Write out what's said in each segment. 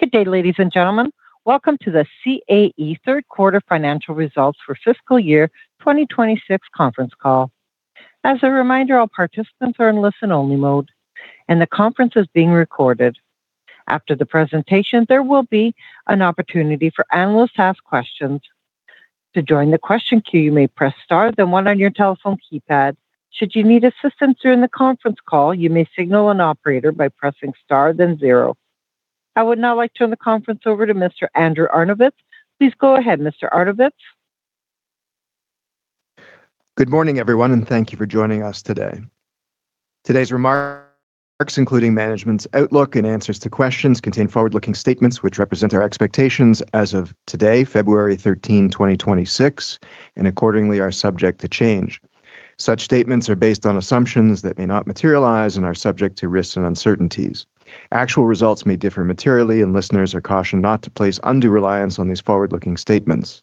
Good day, ladies and gentlemen. Welcome to the CAE third quarter financial results for fiscal year 2026 conference call. As a reminder, all participants are in listen-only mode, and the conference is being recorded. After the presentation, there will be an opportunity for analysts to ask questions. To join the question queue, you may press Star, then one on your telephone keypad. Should you need assistance during the conference call, you may signal an operator by pressing Star, then zero. I would now like to turn the conference over to Mr. Andrew Arnovitz. Please go ahead, Mr. Arnovitz. Good morning, everyone, and thank you for joining us today. Today's remarks, including management's outlook and answers to questions, contain forward-looking statements which represent our expectations as of today, February 13, 2026, and accordingly are subject to change. Such statements are based on assumptions that may not materialize and are subject to risks and uncertainties. Actual results may differ materially, and listeners are cautioned not to place undue reliance on these forward-looking statements.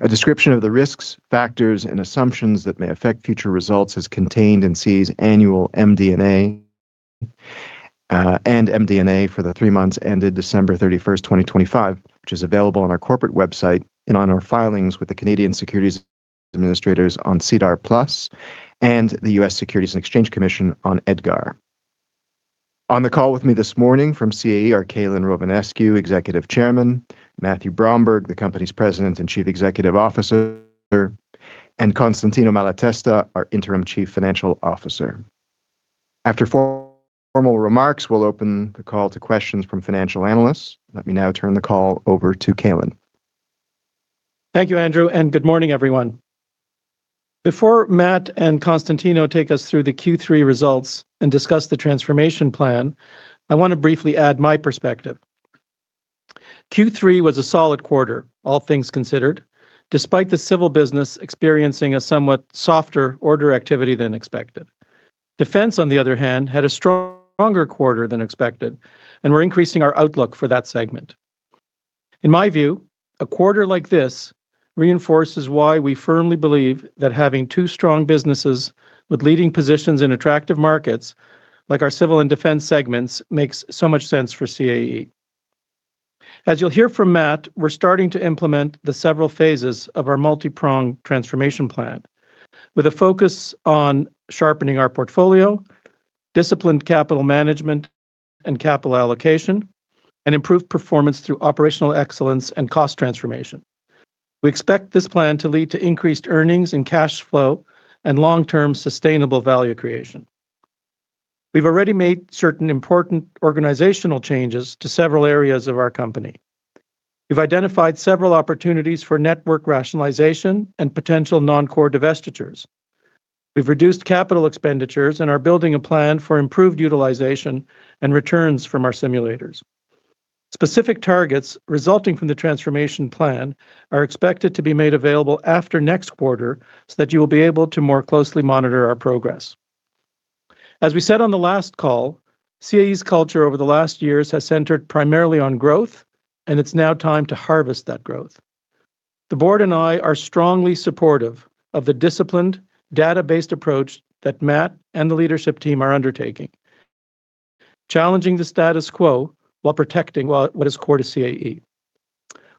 A description of the risks, factors, and assumptions that may affect future results is contained in CAE's annual MD&A and MD&A for the three months ended December 31, 2025, which is available on our corporate website and on our filings with the Canadian Securities Administrators on SEDAR+ and the US Securities and Exchange Commission on EDGAR. On the call with me this morning from CAE are Calin Rovinescu, Executive Chairman, Matthew Bromberg, the company's President and Chief Executive Officer, and Constantino Malatesta, our Interim Chief Financial Officer. After formal remarks, we'll open the call to questions from financial analysts. Let me now turn the call over to Calin. Thank you, Andrew, and good morning, everyone. Before Matt and Constantino take us through the Q3 results and discuss the transformation plan, I want to briefly add my perspective. Q3 was a solid quarter, all things considered, despite the civil business experiencing a somewhat softer order activity than expected. Defense, on the other hand, had a stronger quarter than expected, and we're increasing our outlook for that segment. In my view, a quarter like this reinforces why we firmly believe that having two strong businesses with leading positions in attractive markets, like our civil and defense segments, makes so much sense for CAE. As you'll hear from Matt, we're starting to implement the several phases of our multi-pronged transformation plan, with a focus on sharpening our portfolio, disciplined capital management and capital allocation, and improved performance through operational excellence and cost transformation. We expect this plan to lead to increased earnings and cash flow and long-term sustainable value creation. We've already made certain important organizational changes to several areas of our company. We've identified several opportunities for network rationalization and potential non-core divestitures. We've reduced capital expenditures and are building a plan for improved utilization and returns from our simulators. Specific targets resulting from the transformation plan are expected to be made available after next quarter so that you will be able to more closely monitor our progress. As we said on the last call, CAE's culture over the last years has centered primarily on growth, and it's now time to harvest that growth. The board and I are strongly supportive of the disciplined, data-based approach that Matt and the leadership team are undertaking, challenging the status quo while protecting what is core to CAE.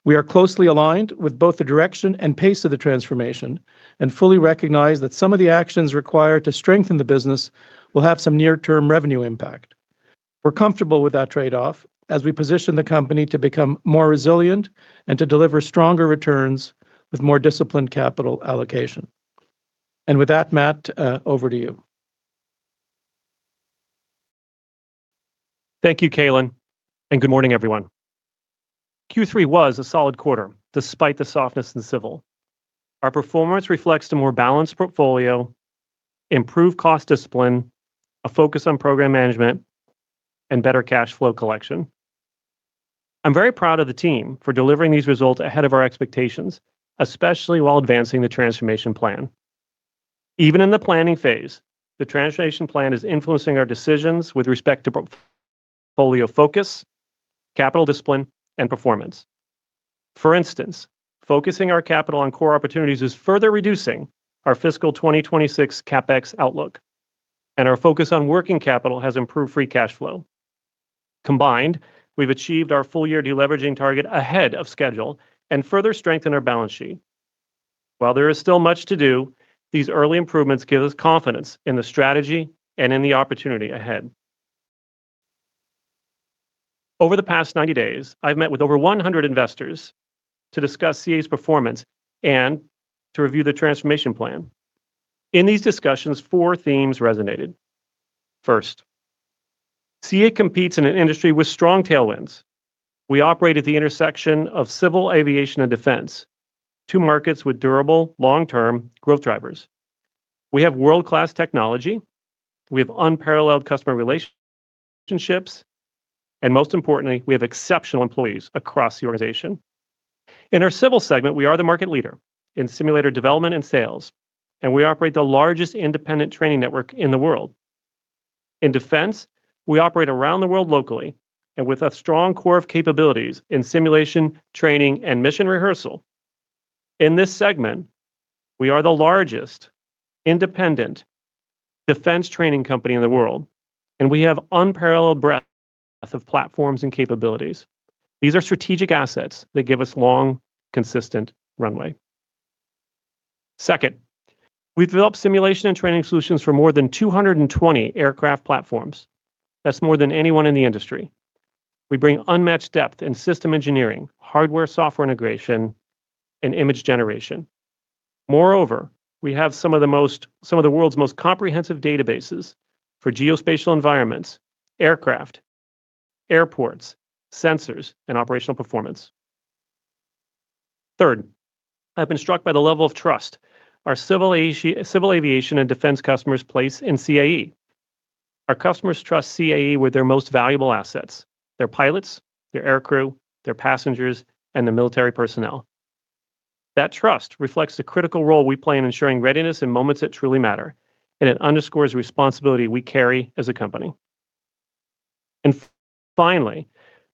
We are closely aligned with both the direction and pace of the transformation and fully recognize that some of the actions required to strengthen the business will have some near-term revenue impact. We're comfortable with that trade-off as we position the company to become more resilient and to deliver stronger returns with more disciplined capital allocation. And with that, Matt, over to you. Thank you, Calin, and good morning, everyone. Q3 was a solid quarter, despite the softness in civil. Our performance reflects a more balanced portfolio, improved cost discipline, a focus on program management, and better cash flow collection. I'm very proud of the team for delivering these results ahead of our expectations, especially while advancing the transformation plan. Even in the planning phase, the transformation plan is influencing our decisions with respect to portfolio focus, capital discipline, and performance. For instance, focusing our capital on core opportunities is further reducing our fiscal 2026 CapEx outlook, and our focus on working capital has improved free cash flow. Combined, we've achieved our full-year deleveraging target ahead of schedule and further strengthened our balance sheet. While there is still much to do, these early improvements give us confidence in the strategy and in the opportunity ahead. Over the past 90 days, I've met with over 100 investors to discuss CAE's performance and to review the transformation plan. In these discussions, 4 themes resonated. First, CAE competes in an industry with strong tailwinds. We operate at the intersection of civil aviation and defense, two markets with durable, long-term growth drivers. We have world-class technology, we have unparalleled customer relationships, and most importantly, we have exceptional employees across the organization. In our civil segment, we are the market leader in simulator development and sales, and we operate the largest independent training network in the world. In defense, we operate around the world locally and with a strong core of capabilities in simulation, training, and mission rehearsal....In this segment, we are the largest independent defense training company in the world, and we have unparalleled breadth of platforms and capabilities. These are strategic assets that give us long, consistent runway. Second, we've developed simulation and training solutions for more than 220 aircraft platforms. That's more than anyone in the industry. We bring unmatched depth in system engineering, hardware/software integration, and image generation. Moreover, we have some of the world's most comprehensive databases for geospatial environments, aircraft, airports, sensors, and operational performance. Third, I've been struck by the level of trust our civil aviation and defense customers place in CAE. Our customers trust CAE with their most valuable assets: their pilots, their aircrew, their passengers, and the military personnel. That trust reflects the critical role we play in ensuring readiness in moments that truly matter, and it underscores the responsibility we carry as a company. Finally,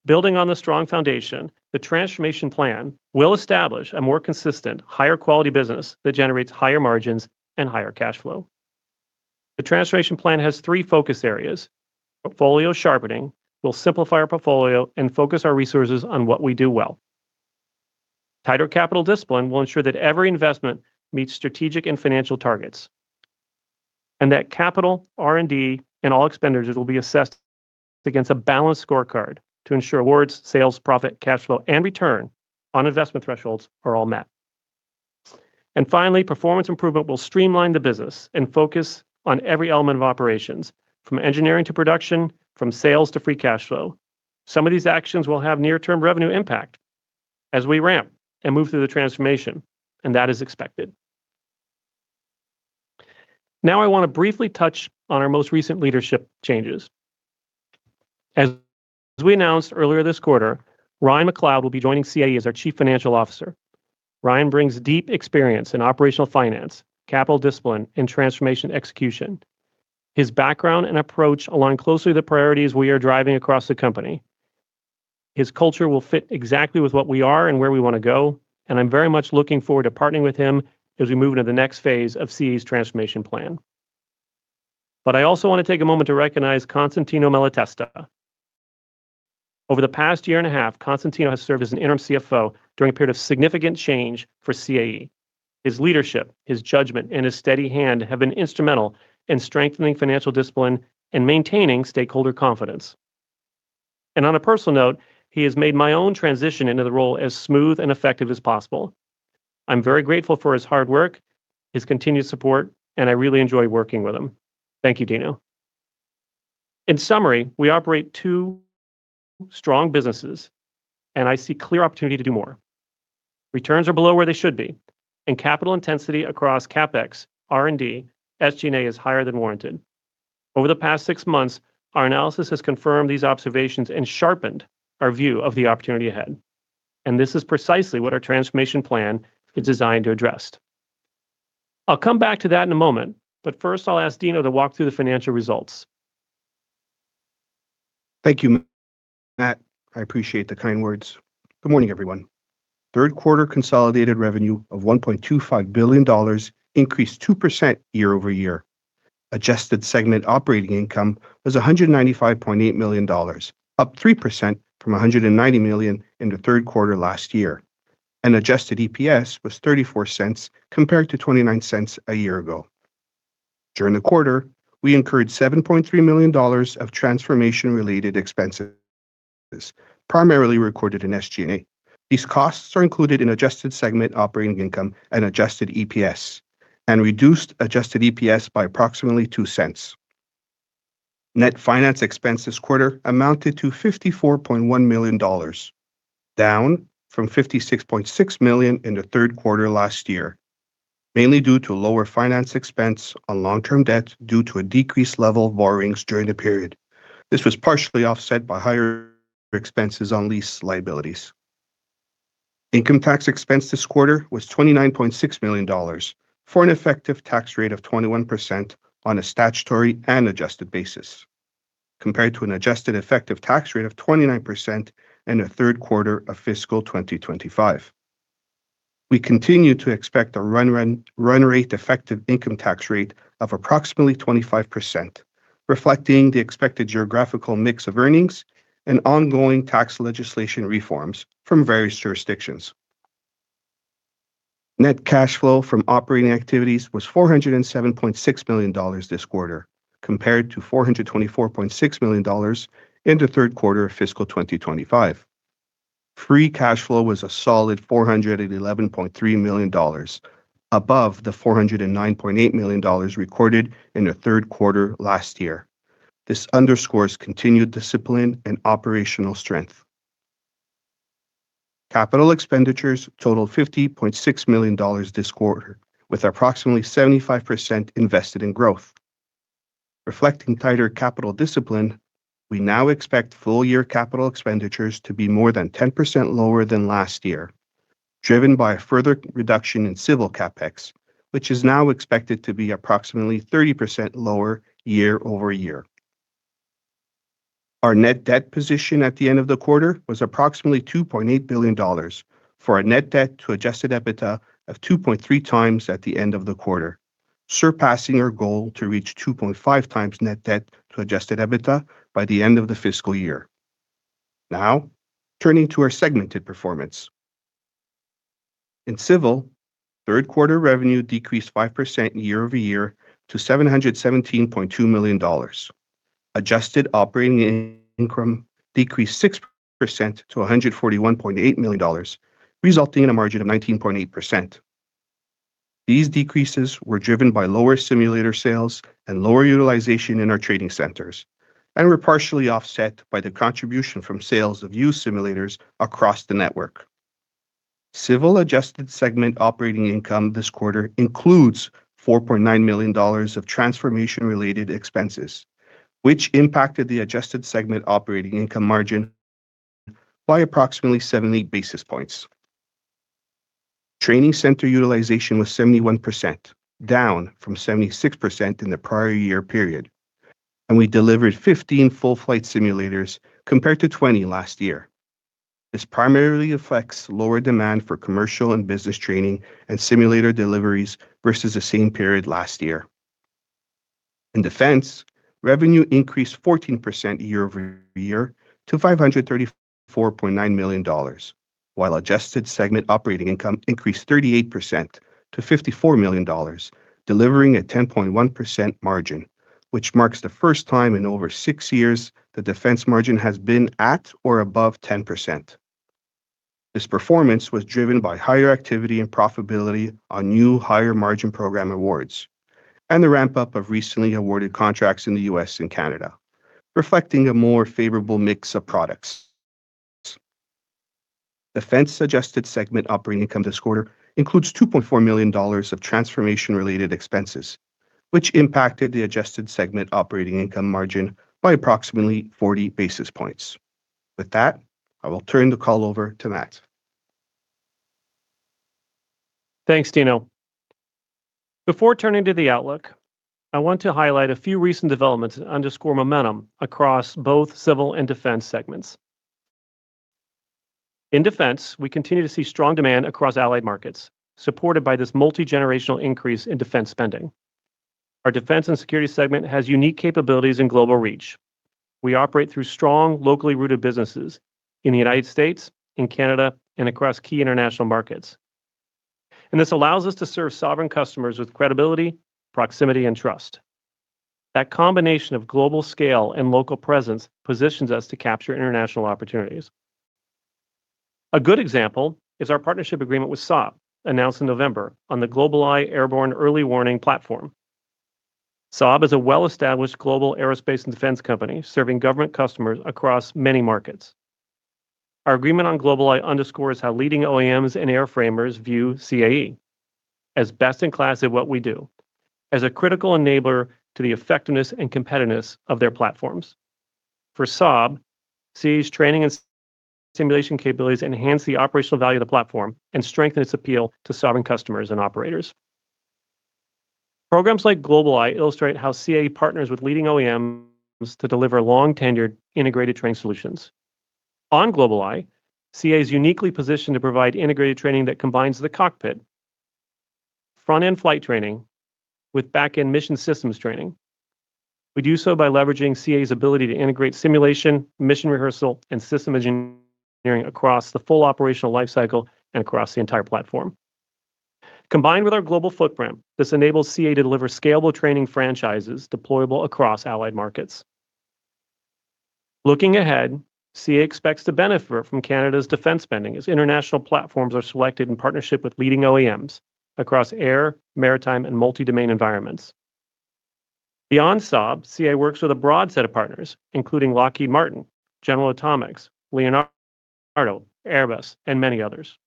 building on the strong foundation, the transformation plan will establish a more consistent, higher quality business that generates higher margins and higher cash flow. The transformation plan has three focus areas. Portfolio sharpening will simplify our portfolio and focus our resources on what we do well. Tighter capital discipline will ensure that every investment meets strategic and financial targets, and that capital, R&D, and all expenditures will be assessed against a balanced scorecard to ensure awards, sales, profit, cash flow, and return on investment thresholds are all met. Finally, performance improvement will streamline the business and focus on every element of operations, from engineering to production, from sales to free cash flow. Some of these actions will have near-term revenue impact as we ramp and move through the transformation, and that is expected. Now, I want to briefly touch on our most recent leadership changes. As we announced earlier this quarter, Ryan McLeod will be joining CAE as our Chief Financial Officer. Ryan brings deep experience in operational finance, capital discipline, and transformation execution. His background and approach align closely with the priorities we are driving across the company. His culture will fit exactly with what we are and where we want to go, and I'm very much looking forward to partnering with him as we move into the next phase of CAE's transformation plan. But I also want to take a moment to recognize Constantino Malatesta. Over the past year and a half, Constantino has served as an interim CFO during a period of significant change for CAE. His leadership, his judgment, and his steady hand have been instrumental in strengthening financial discipline and maintaining stakeholder confidence. On a personal note, he has made my own transition into the role as smooth and effective as possible. I'm very grateful for his hard work, his continued support, and I really enjoy working with him. Thank you, Tino. In summary, we operate two strong businesses, and I see clear opportunity to do more. Returns are below where they should be, and capital intensity across CapEx, R&D, SG&A is higher than warranted. Over the past six months, our analysis has confirmed these observations and sharpened our view of the opportunity ahead, and this is precisely what our transformation plan is designed to address. I'll come back to that in a moment, but first, I'll ask Tino to walk through the financial results. Thank you, Matt. I appreciate the kind words. Good morning, everyone. Third quarter consolidated revenue of 1.25 billion dollars increased 2% year-over-year. Adjusted Segment Operating Income was 195.8 million dollars, up 3% from 190 million in the third quarter last year. Adjusted EPS was 0.34, compared to 0.29 a year ago. During the quarter, we incurred 7.3 million dollars of transformation-related expenses, primarily recorded in SG&A. These costs are included in Adjusted Segment Operating Income and Adjusted EPS, and reduced Adjusted EPS by approximately 0.02. Net finance expense this quarter amounted to 54.1 million dollars, down from 56.6 million in the third quarter last year, mainly due to lower finance expense on long-term debt due to a decreased level of borrowings during the period. This was partially offset by higher expenses on lease liabilities. Income tax expense this quarter was 29.6 million dollars, for an effective tax rate of 21% on a statutory and adjusted basis, compared to an adjusted effective tax rate of 29% in the third quarter of fiscal 2025. We continue to expect a run rate effective income tax rate of approximately 25%, reflecting the expected geographical mix of earnings and ongoing tax legislation reforms from various jurisdictions. Net cash flow from operating activities was 407.6 million dollars this quarter, compared to 424.6 million dollars in the third quarter of fiscal 2025. Free cash flow was a solid 411.3 million dollars, above the 409.8 million dollars recorded in the third quarter last year. These underscores continued discipline and operational strength. Capital expenditures totaled 50.6 million dollars this quarter, with approximately 75% invested in growth. Reflecting tighter capital discipline, we now expect full year capital expenditures to be more than 10% lower than last year, driven by a further reduction in civil CapEx, which is now expected to be approximately 30% lower year-over-year.... Our net debt position at the end of the quarter was approximately 2.8 billion dollars for a net debt to Adjusted EBITDA of 2.3 times at the end of the quarter, surpassing our goal to reach 2.5 times net debt to Adjusted EBITDA by the end of the fiscal year. Now, turning to our segmented performance. In Civil, third quarter revenue decreased 5% year-over-year to 717.2 million dollars. Adjusted operating income decreased 6% to 141.8 million dollars, resulting in a margin of 19.8%. These decreases were driven by lower simulator sales and lower utilization in our training centers and were partially offset by the contribution from sales of used simulators across the network. Civil Adjusted Segment Operating Income this quarter includes 4.9 million dollars of transformation-related expenses, which impacted the Adjusted Segment Operating Income margin by approximately 70 basis points. Training Center Utilization was 71%, down from 76% in the prior year period, and we delivered 15 full flight simulators compared to 20 last year. This primarily affects lower demand for commercial and business training and simulator deliveries versus the same period last year. In Defense, revenue increased 14% year-over-year to 534.9 million dollars, while Adjusted Segment Operating Income increased 38% to 54 million dollars, delivering a 10.1% margin, which marks the first time in over 6 years the Defense margin has been at or above 10%. This performance was driven by higher activity and profitability on new higher-margin program awards and the ramp-up of recently awarded contracts in the U.S. and Canada, reflecting a more favorable mix of products. Defense Adjusted Segment Operating Income this quarter includes 2.4 million dollars of transformation-related expenses, which impacted the adjusted segment operating income margin by approximately 40 basis points. With that, I will turn the call over to Matt. Thanks, Tino. Before turning to the outlook, I want to highlight a few recent developments that underscore momentum across both civil and defense segments. In defense, we continue to see strong demand across allied markets, supported by this multigenerational increase in defense spending. Our defense and security segment has unique capabilities and global reach. We operate through strong, locally rooted businesses in the United States, in Canada, and across key international markets, and this allows us to serve sovereign customers with credibility, proximity, and trust. That combination of global scale and local presence positions us to capture international opportunities. A good example is our partnership agreement with Saab, announced in November on the GlobalEye Airborne Early Warning platform. Saab is a well-established global aerospace and defense company serving government customers across many markets. Our agreement on GlobalEye underscores how leading OEMs and airframers view CAE as best-in-class at what we do, as a critical enabler to the effectiveness and competitiveness of their platforms. For Saab, CAE's training and simulation capabilities enhance the operational value of the platform and strengthen its appeal to sovereign customers and operators. Programs like GlobalEye illustrate how CAE partners with leading OEMs to deliver long-tenured integrated training solutions. On GlobalEye, CAE is uniquely positioned to provide integrated training that combines the cockpit, front-end flight training with back-end mission systems training. We do so by leveraging CAE's ability to integrate simulation, mission rehearsal, and system engineering across the full operational lifecycle and across the entire platform. Combined with our global footprint, this enables CAE to deliver scalable training franchises deployable across allied markets. Looking ahead, CAE expects to benefit from Canada's defense spending as international platforms are selected in partnership with leading OEMs across air, maritime, and multi-domain environments. Beyond Saab, CAE works with a broad set of partners, including Lockheed Martin, General Atomics, Leonardo, Airbus, and many others.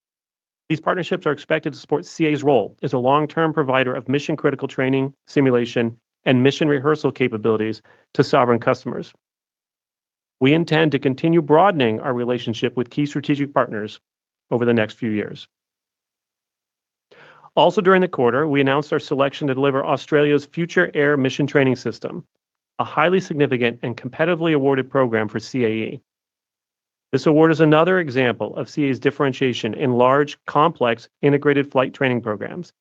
These partnerships are expected to support CAE's role as a long-term provider of mission-critical training, simulation, and mission rehearsal capabilities to sovereign customers. We intend to continue broadening our relationship with key strategic partners over the next few years. Also, during the quarter, we announced our selection to deliver Australia's Future Air Mission Training System, a highly significant and competitively awarded program for CAE. This award is another example of CAE's differentiation in large, complex, integrated flight training programs,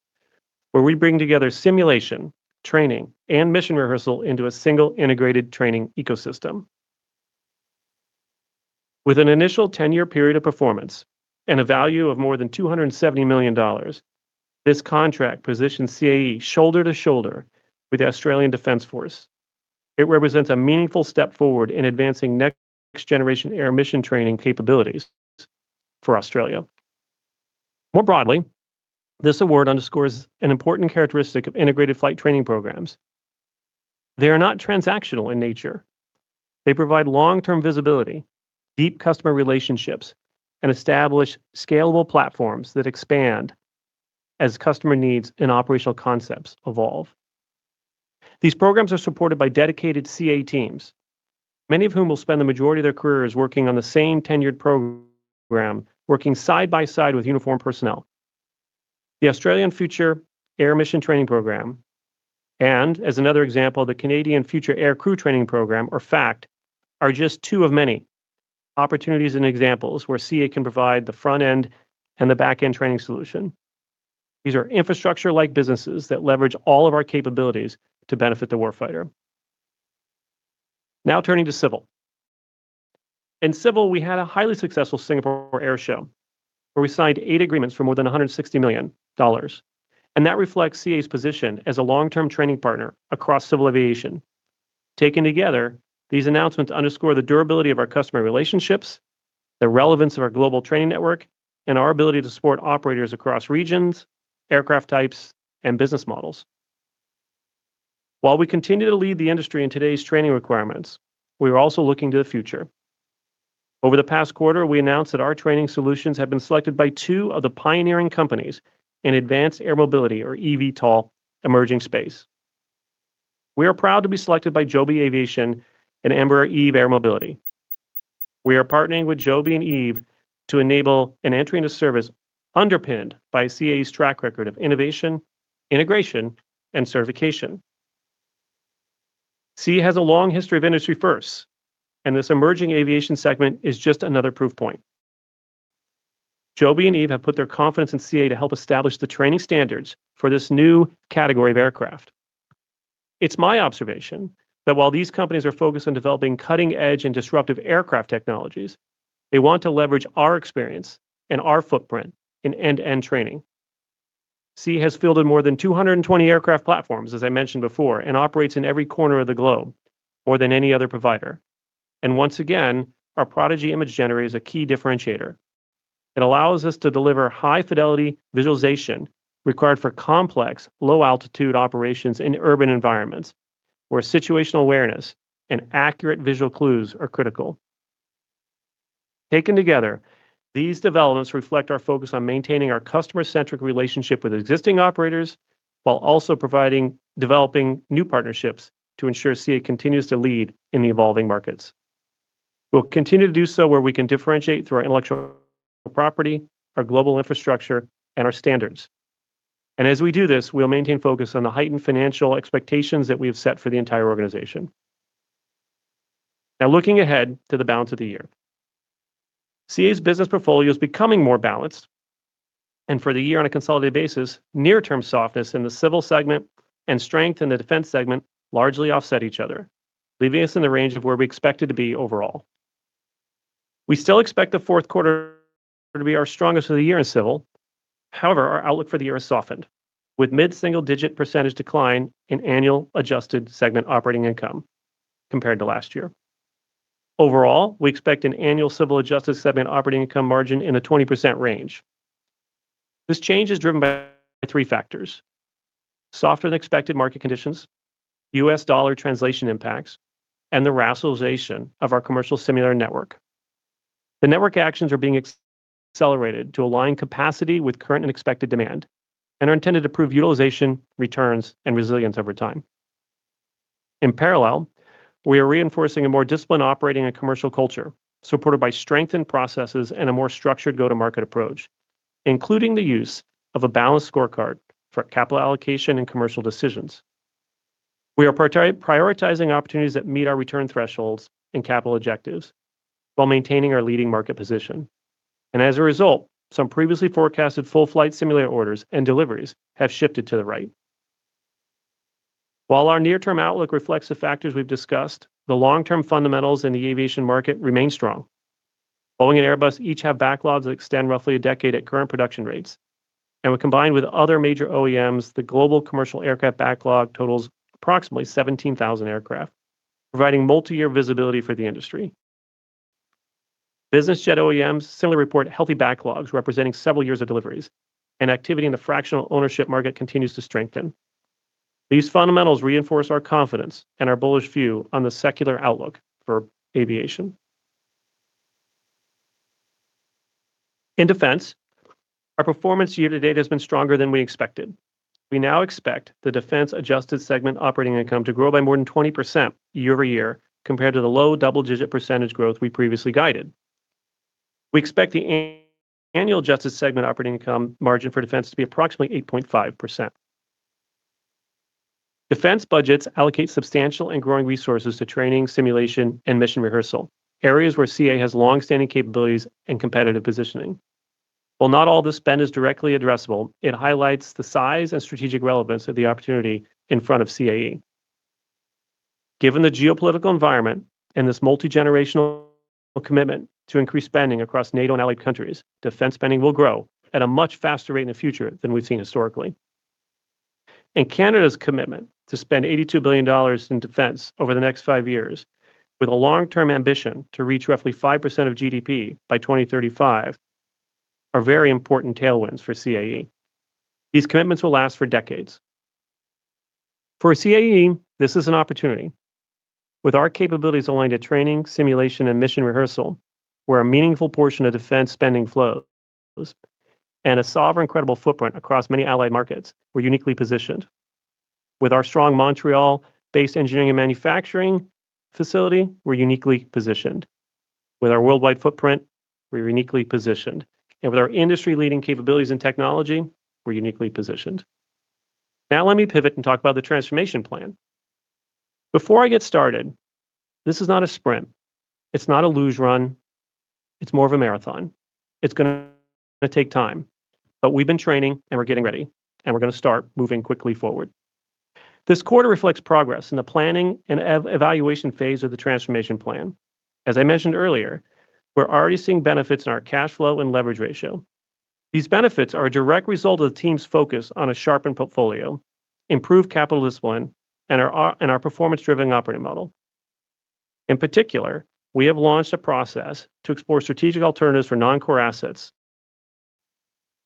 where we bring together simulation, training, and mission rehearsal into a single integrated training ecosystem. With an initial 10-year period of performance and a value of more than $270 million, this contract positions CAE shoulder to shoulder with the Australian Defence Force. It represents a meaningful step forward in advancing next-generation air mission training capabilities for Australia. More broadly, this award underscores an important characteristic of integrated flight training programs. They are not transactional in nature. They provide long-term visibility, deep customer relationships, and establish scalable platforms that expand as customer needs and operational concepts evolve. These programs are supported by dedicated CAE teams, many of whom will spend the majority of their careers working on the same tenured program, working side by side with uniformed personnel.... The Australian Future Air Mission Training program, and as another example, the Canadian Future Aircrew Training program, or FAcT, are just two of many opportunities and examples where CAE can provide the front-end and the back-end training solution. These are infrastructure-like businesses that leverage all of our capabilities to benefit the warfighter. Now turning to civil. In Civil, we had a highly successful Singapore Airshow, where we signed eight agreements for more than $160 million, and that reflects CAE's position as a long-term training partner across civil aviation. Taken together, these announcements underscore the durability of our customer relationships, the relevance of our global training network, and our ability to support operators across regions, aircraft types, and business models. While we continue to lead the industry in today's training requirements, we are also looking to the future. Over the past quarter, we announced that our training solutions have been selected by two of the pioneering companies in advanced air mobility or eVTOL emerging space. We are proud to be selected by Joby Aviation and Embraer Eve Air Mobility. We are partnering with Joby and Eve to enable an entry into service underpinned by CAE's track record of innovation, integration, and certification. CAE has a long history of industry firsts, and this emerging aviation segment is just another proof point. Joby and Eve have put their confidence in CAE to help establish the training standards for this new category of aircraft. It's my observation that while these companies are focused on developing cutting-edge and disruptive aircraft technologies, they want to leverage our experience and our footprint in end-to-end training. CAE has fielded more than 220 aircraft platforms, as I mentioned before, and operates in every corner of the globe, more than any other provider. Once again, our Prodigy Image Generator is a key differentiator. It allows us to deliver high-fidelity visualization required for complex, low-altitude operations in urban environments, where situational awareness and accurate visual clues are critical. Taken together, these developments reflect our focus on maintaining our customer-centric relationship with existing operators, while also providing, developing new partnerships to ensure CAE continues to lead in the evolving markets. We'll continue to do so where we can differentiate through our intellectual property, our global infrastructure, and our standards. As we do this, we'll maintain focus on the heightened financial expectations that we have set for the entire organization. Now, looking ahead to the balance of the year. CAE's business portfolio is becoming more balanced, and for the year, on a consolidated basis, near-term softness in the civil segment and strength in the defense segment largely offset each other, leaving us in the range of where we expected to be overall. We still expect the fourth quarter to be our strongest of the year in civil. However, our outlook for the year has softened, with mid-single-digit % decline in annual adjusted segment operating income compared to last year. Overall, we expect an annual Civil Adjusted Segment Operating Income margin in the 20% range. This change is driven by three factors: softer-than-expected market conditions, US dollar translation impacts, and the rationalization of our commercial simulator network. The network actions are being accelerated to align capacity with current and expected demand and are intended to prove utilization, returns, and resilience over time. In parallel, we are reinforcing a more disciplined operating and commercial culture, supported by strengthened processes and a more structured go-to-market approach, including the use of a balanced scorecard for capital allocation and commercial decisions. We are prioritizing opportunities that meet our return thresholds and capital objectives while maintaining our leading market position, and as a result, some previously forecasted full-flight simulator orders and deliveries have shifted to the right. While our near-term outlook reflects the factors we've discussed, the long-term fundamentals in the aviation market remain strong. Boeing and Airbus each have backlogs that extend roughly a decade at current production rates, and when combined with other major OEMs, the global commercial aircraft backlog totals approximately 17,000 aircraft, providing multi-year visibility for the industry. Business jet OEMs similarly report healthy backlogs, representing several years of deliveries, and activity in the fractional ownership market continues to strengthen. These fundamentals reinforce our confidence and our bullish view on the secular outlook for aviation. In defense, our performance year to date has been stronger than we expected. We now expect the Defense Adjusted Segment Operating income to grow by more than 20% year-over-year compared to the low double-digit percentage growth we previously guided. We expect the annual adjusted segment operating income margin for defense to be approximately 8.5%. Defense budgets allocate substantial and growing resources to training, simulation, and mission rehearsal, areas where CAE has long-standing capabilities and competitive positioning. While not all this spend is directly addressable, it highlights the size and strategic relevance of the opportunity in front of CAE. Given the geopolitical environment and this multigenerational commitment to increase spending across NATO and allied countries, defense spending will grow at a much faster rate in the future than we've seen historically. Canada's commitment to spend 82 billion dollars in defense over the next 5 years, with a long-term ambition to reach roughly 5% of GDP by 2035, are very important tailwinds for CAE. These commitments will last for decades. For CAE, this is an opportunity. With our capabilities aligned to training, simulation, and mission rehearsal, where a meaningful portion of defense spending flows, and a sovereign credible footprint across many allied markets, we're uniquely positioned... With our strong Montreal-based engineering and manufacturing facility, we're uniquely positioned. With our worldwide footprint, we're uniquely positioned, and with our industry-leading capabilities and technology, we're uniquely positioned. Now, let me pivot and talk about the transformation plan. Before I get started, this is not a sprint, it's not a luge run, it's more of a marathon. It's gonna take time, but we've been training and we're getting ready, and we're gonna start moving quickly forward. This quarter reflects progress in the planning and evaluation phase of the transformation plan. As I mentioned earlier, we're already seeing benefits in our cash flow and leverage ratio. These benefits are a direct result of the team's focus on a sharpened portfolio, improved capital discipline, and our performance-driven operating model. In particular, we have launched a process to explore strategic alternatives for non-core assets.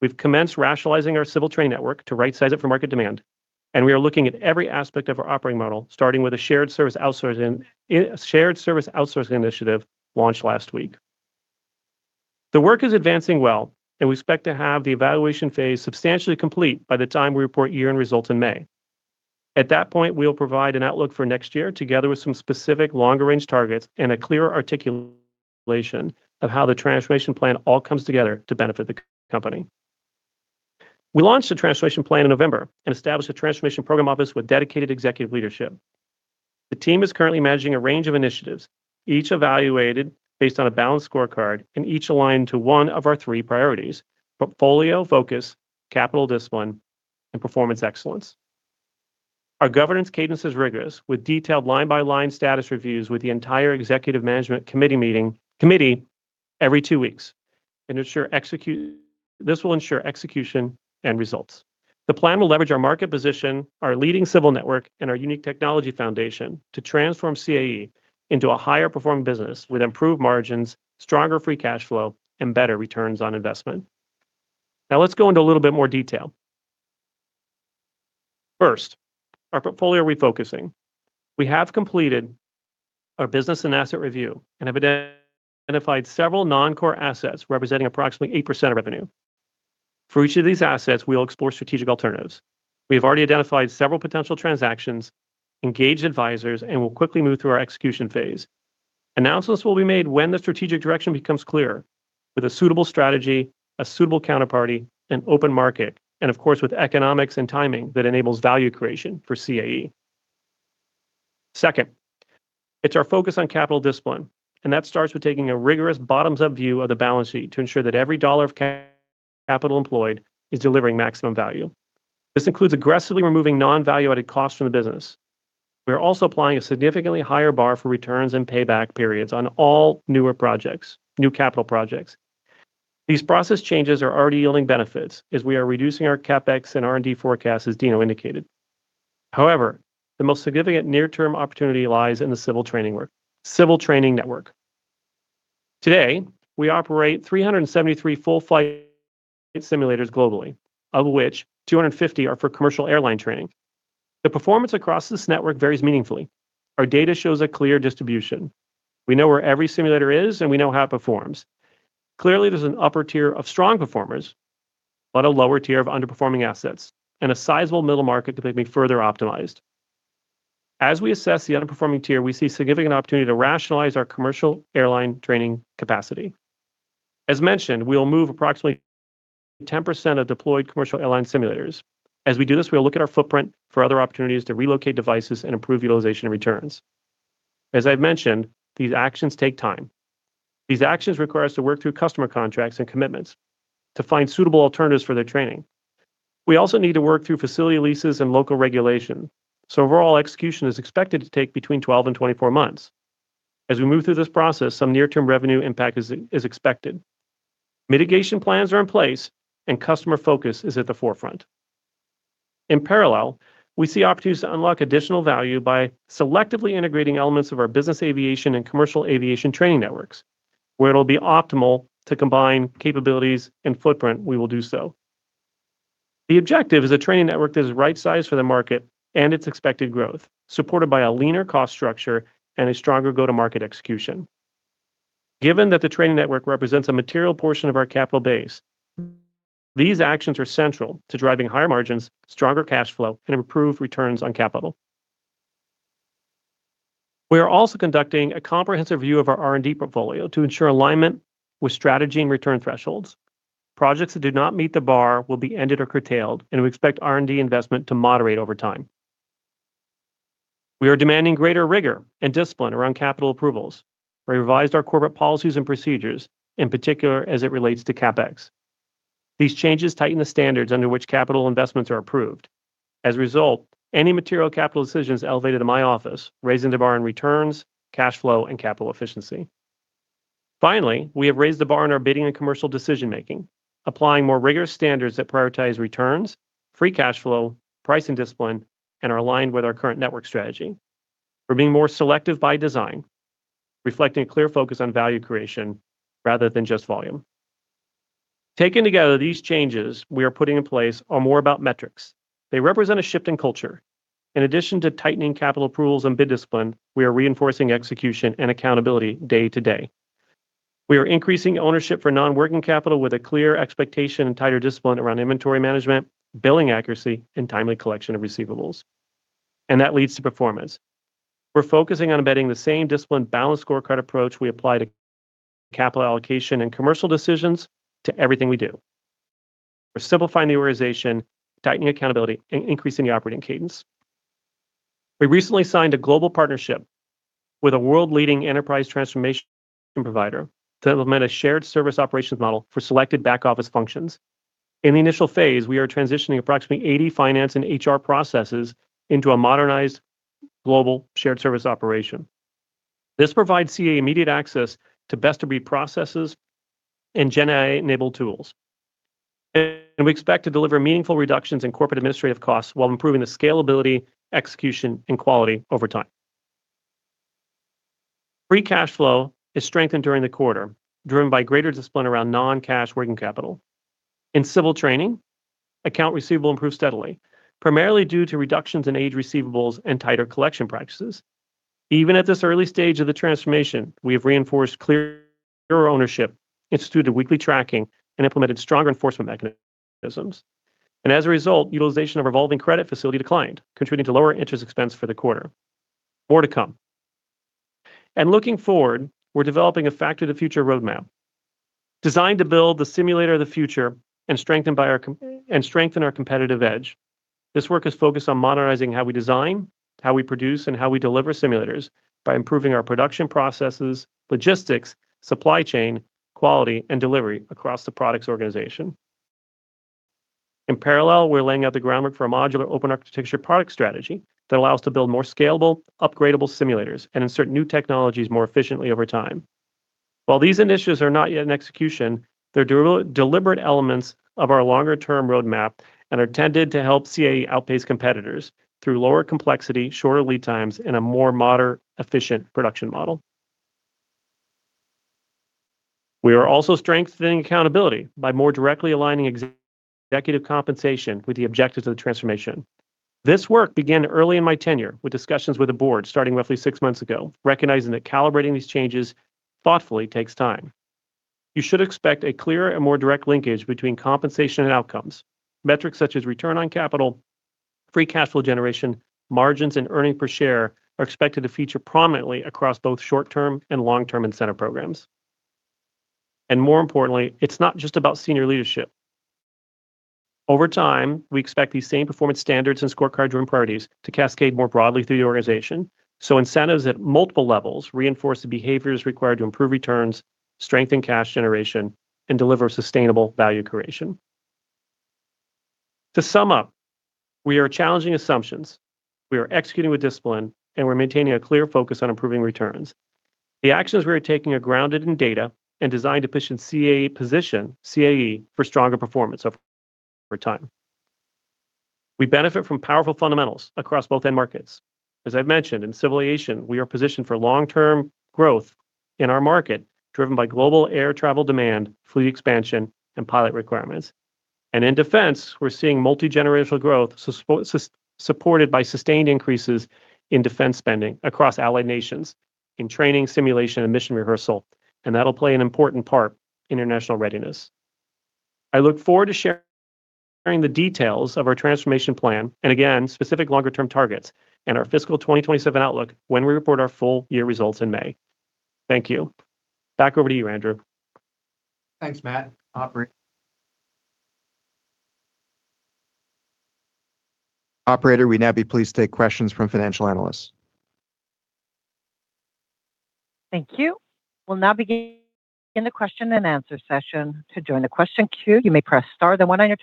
We've commenced rationalizing our civil training network to right size it for market demand, and we are looking at every aspect of our operating model, starting with a shared service outsourcing initiative launched last week. The work is advancing well, and we expect to have the evaluation phase substantially complete by the time we report year-end results in May. At that point, we'll provide an outlook for next year, together with some specific longer-range targets and a clear articulation of how the transformation plan all comes together to benefit the company. We launched the transformation plan in November and established a transformation program office with dedicated executive leadership. The team is currently managing a range of initiatives, each evaluated based on a balanced scorecard and each aligned to one of our three priorities: portfolio focus, capital discipline, and performance excellence. Our governance cadence is rigorous, with detailed line-by-line status reviews with the entire executive management committee meeting every two weeks. This will ensure execution and results. The plan will leverage our market position, our leading civil network, and our unique technology foundation to transform CAE into a higher-performing business with improved margins, stronger free cash flow, and better returns on investment. Now, let's go into a little bit more detail. First, our portfolio refocusing. We have completed our business and asset review and identified several non-core assets, representing approximately 8% of revenue. For each of these assets, we will explore strategic alternatives. We have already identified several potential transactions, engaged advisors, and will quickly move through our execution phase. Announcements will be made when the strategic direction becomes clear with a suitable strategy, a suitable counterparty, an open market, and of course, with economics and timing that enables value creation for CAE. Second, it's our focus on capital discipline, and that starts with taking a rigorous bottoms-up view of the balance sheet to ensure that every dollar of capital employed is delivering maximum value. This includes aggressively removing non-value-added costs from the business. We are also applying a significantly higher bar for returns and payback periods on all newer projects, new capital projects. These process changes are already yielding benefits as we are reducing our CapEx and R&D forecast, as Tino indicated. However, the most significant near-term opportunity lies in the civil training civil training network. Today, we operate 373 full-flight simulators globally, of which 250 are for commercial airline training. The performance across this network varies meaningfully. Our data shows a clear distribution. We know where every simulator is, and we know how it performs. Clearly, there's an upper tier of strong performers, but a lower tier of underperforming assets and a sizable middle market that may be further optimized. As we assess the underperforming tier, we see significant opportunity to rationalize our commercial airline training capacity. As mentioned, we'll move approximately 10% of deployed commercial airline simulators. As we do this, we'll look at our footprint for other opportunities to relocate devices and improve utilization and returns. As I've mentioned, these actions take time. These actions require us to work through customer contracts and commitments to find suitable alternatives for their training. We also need to work through facility leases and local regulation, so overall execution is expected to take between 12 and 24 months. As we move through this process, some near-term revenue impact is expected. Mitigation plans are in place, and customer focus is at the forefront. In parallel, we see opportunities to unlock additional value by selectively integrating elements of our business aviation and commercial aviation training networks. Where it'll be optimal to combine capabilities and footprint, we will do so. The objective is a training network that is right-sized for the market and its expected growth, supported by a leaner cost structure and a stronger go-to-market execution. Given that the training network represents a material portion of our capital base, these actions are central to driving higher margins, stronger cash flow, and improved returns on capital. We are also conducting a comprehensive view of our R&D portfolio to ensure alignment with strategy and return thresholds. Projects that do not meet the bar will be ended or curtailed, and we expect R&D investment to moderate over time. We are demanding greater rigor and discipline around capital approvals. We revised our corporate policies and procedures, in particular, as it relates to CapEx. These changes tighten the standards under which capital investments are approved. As a result, any material capital decisions elevated to my office, raising the bar in returns, cash flow, and capital efficiency. Finally, we have raised the bar in our bidding and commercial decision-making, applying more rigorous standards that prioritize returns, free cash flow, pricing discipline, and are aligned with our current network strategy. We're being more selective by design, reflecting a clear focus on value creation rather than just volume. Taken together, these changes we are putting in place are more about metrics. They represent a shift in culture. In addition to tightening capital approvals and bid discipline, we are reinforcing execution and accountability day to day. We are increasing ownership for non-working capital with a clear expectation and tighter discipline around inventory management, billing accuracy, and timely collection of receivables, and that leads to performance. We're focusing on embedding the same disciplined, balanced scorecard approach we apply to capital allocation and commercial decisions to everything we do. We're simplifying the organization, tightening accountability, and increasing the operating cadence. We recently signed a global partnership with a world-leading enterprise transformation provider to implement a shared service operations model for selected back-office functions. In the initial phase, we are transitioning approximately 80 finance and HR processes into a modernized global shared service operation. This provides CAE immediate access to best-of-breed processes and GenAI-enabled tools. We expect to deliver meaningful reductions in corporate administrative costs while improving the scalability, execution, and quality over time. Free cash flow is strengthened during the quarter, driven by greater discipline around non-cash working capital. In Civil training, accounts receivable improved steadily, primarily due to reductions in aged receivables and tighter collection practices. Even at this early stage of the transformation, we have reinforced clear ownership and instituted weekly tracking and implemented stronger enforcement mechanisms. As a result, utilization of revolving credit facility declined, contributing to lower interest expense for the quarter. More to come. Looking forward, we're developing a Factory of the Future roadmap, designed to build the simulator of the future and strengthened by our commitment and strengthen our competitive edge. This work is focused on modernizing how we design, how we produce, and how we deliver simulators by improving our production processes, logistics, supply chain, quality, and delivery across the products organization. In parallel, we're laying out the groundwork for a modular open architecture product strategy that allows to build more scalable, upgradable simulators and insert new technologies more efficiently over time. While these initiatives are not yet in execution, they're deliberate elements of our longer-term roadmap and are intended to help CAE outpace competitors through lower complexity, shorter lead times, and a more modern, efficient production model. We are also strengthening accountability by more directly aligning executive compensation with the objectives of the transformation. This work began early in my tenure, with discussions with the board starting roughly six months ago, recognizing that calibrating these changes thoughtfully takes time. You should expect a clearer and more direct linkage between compensation and outcomes. Metrics such as return on capital, free cash flow generation, margins, and earnings per share are expected to feature prominently across both short-term and long-term incentive programs. More importantly, it's not just about senior leadership. Over time, we expect these same performance standards and scorecard-driven priorities to cascade more broadly through the organization, so incentives at multiple levels reinforce the behaviors required to improve returns, strengthen cash generation, and deliver sustainable value creation. To sum up, we are challenging assumptions, we are executing with discipline, and we're maintaining a clear focus on improving returns. The actions we are taking are grounded in data and designed to position CAE for stronger performance over time. We benefit from powerful fundamentals across both end markets. As I've mentioned, in civil aviation, we are positioned for long-term growth in our market, driven by global air travel demand, fleet expansion, and pilot requirements. In defense, we're seeing multigenerational growth supported by sustained increases in defense spending across allied nations, in training, simulation, and mission rehearsal, and that'll play an important part in international readiness. I look forward to sharing the details of our transformation plan, and again, specific longer-term targets and our fiscal 2027 outlook when we report our full year results in May. Thank you. Back over to you, Andrew. Thanks, Matt. Operator? Operator, we'd now be pleased to take questions from financial analysts. Thank you. We'll now begin the question-and-answer session. To join the question queue, you may press star then 1 on your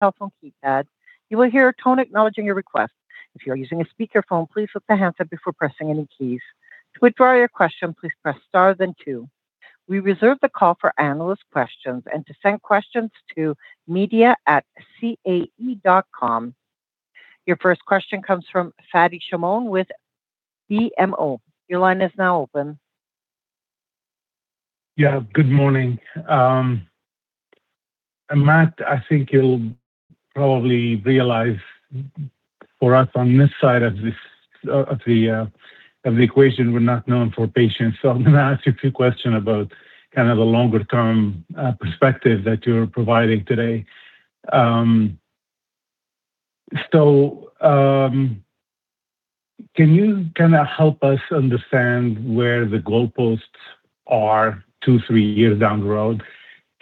telephone keypad. You will hear a tone acknowledging your request. If you are using a speakerphone, please lift the handset before pressing any keys. To withdraw your question, please press star then 2. We reserve the call for analyst questions and to send questions to media@cae.com. Your first question comes from Fadi Chamoun with BMO. Your line is now open. Yeah, good morning. And Matt, I think you'll probably realize for us on this side of this, of the equation, we're not known for patience. So I'm gonna ask you a few question about kind of the longer-term perspective that you're providing today. So, can you kind of help us understand where the goalposts are two, three years down the road?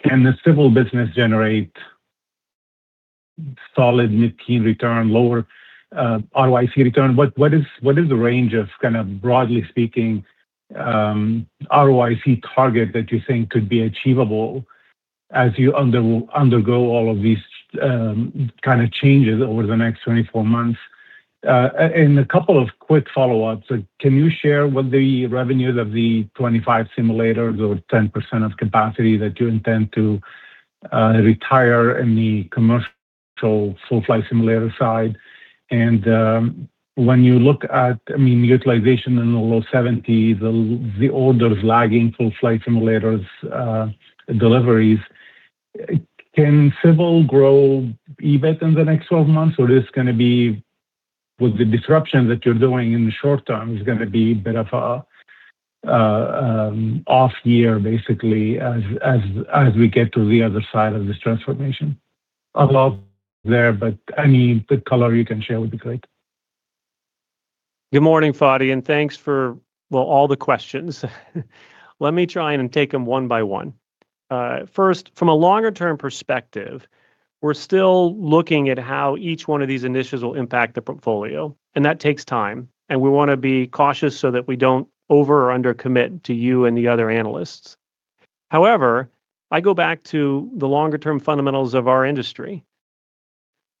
Can the civil business generate solid mid-teen return, lower ROIC return? What is the range of kind of, broadly speaking, ROIC target that you think could be achievable as you undergo all of these, kind of changes over the next 24 months? And a couple of quick follow-ups. Can you share what the revenues of the 25 simulators or 10% of capacity that you intend to retire in the commercial full flight simulator side? And when you look at, I mean, utilization in the low 70, the orders lagging full flight simulators deliveries, can civil grow EBITDA in the next 12 months, or this is gonna be with the disruption that you're doing in the short term is going to be a bit of a off year, basically, as we get to the other side of this transformation. A lot there, but any good color you can share would be great. Good morning, Fadi, and thanks for, well, all the questions. Let me try and take them one by one. First, from a longer-term perspective, we're still looking at how each one of these initiatives will impact the portfolio, and that takes time, and we want to be cautious so that we don't over or under commit to you and the other analysts. However, I go back to the longer-term fundamentals of our industry.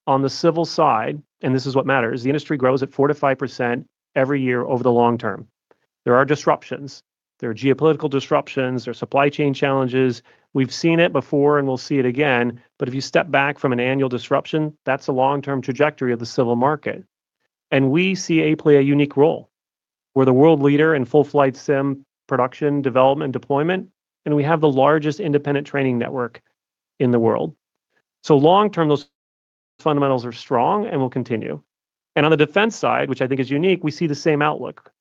On the civil side, and this is what matters, the industry grows at 4%-5% every year over the long term. There are disruptions, there are geopolitical disruptions, there are supply chain challenges. We've seen it before, and we'll see it again. But if you step back from an annual disruption, that's the long-term trajectory of the civil market, and we see CAE play a unique role. We're the world leader in full-flight sim production, development, deployment, and we have the largest independent training network in the world. So long term, those fundamentals are strong and will continue. And on the defense side, which I think is unique, we see the same outlook.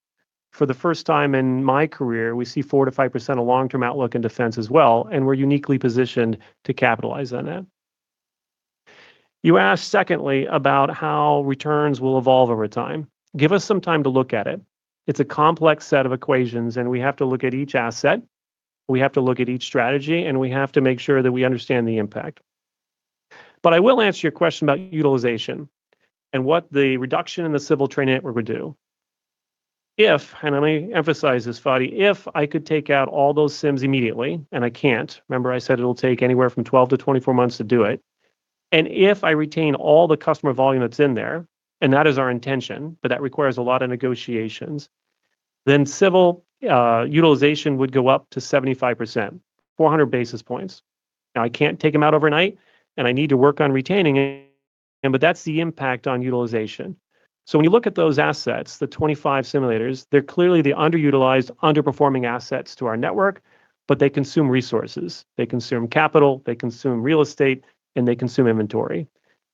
For the first time in my career, we see 4%-5% of long-term outlook in defense as well, and we're uniquely positioned to capitalize on it. You asked, secondly, about how returns will evolve over time. Give us some time to look at it. It's a complex set of equations, and we have to look at each asset, we have to look at each strategy, and we have to make sure that we understand the impact. But I will answer your question about utilization and what the reduction in the civil training network would do. If, and let me emphasize this, Fadi, if I could take out all those sims immediately, and I can't, remember I said it'll take anywhere from 12-24 months to do it, and if I retain all the customer volume that's in there, and that is our intention, but that requires a lot of negotiations, then civil utilization would go up to 75%, 400 basis points. Now, I can't take them out overnight, and I need to work on retaining it, but that's the impact on utilization. So when you look at those assets, the 25 simulators, they're clearly the underutilized, underperforming assets to our network, but they consume resources. They consume capital, they consume real estate, and they consume inventory.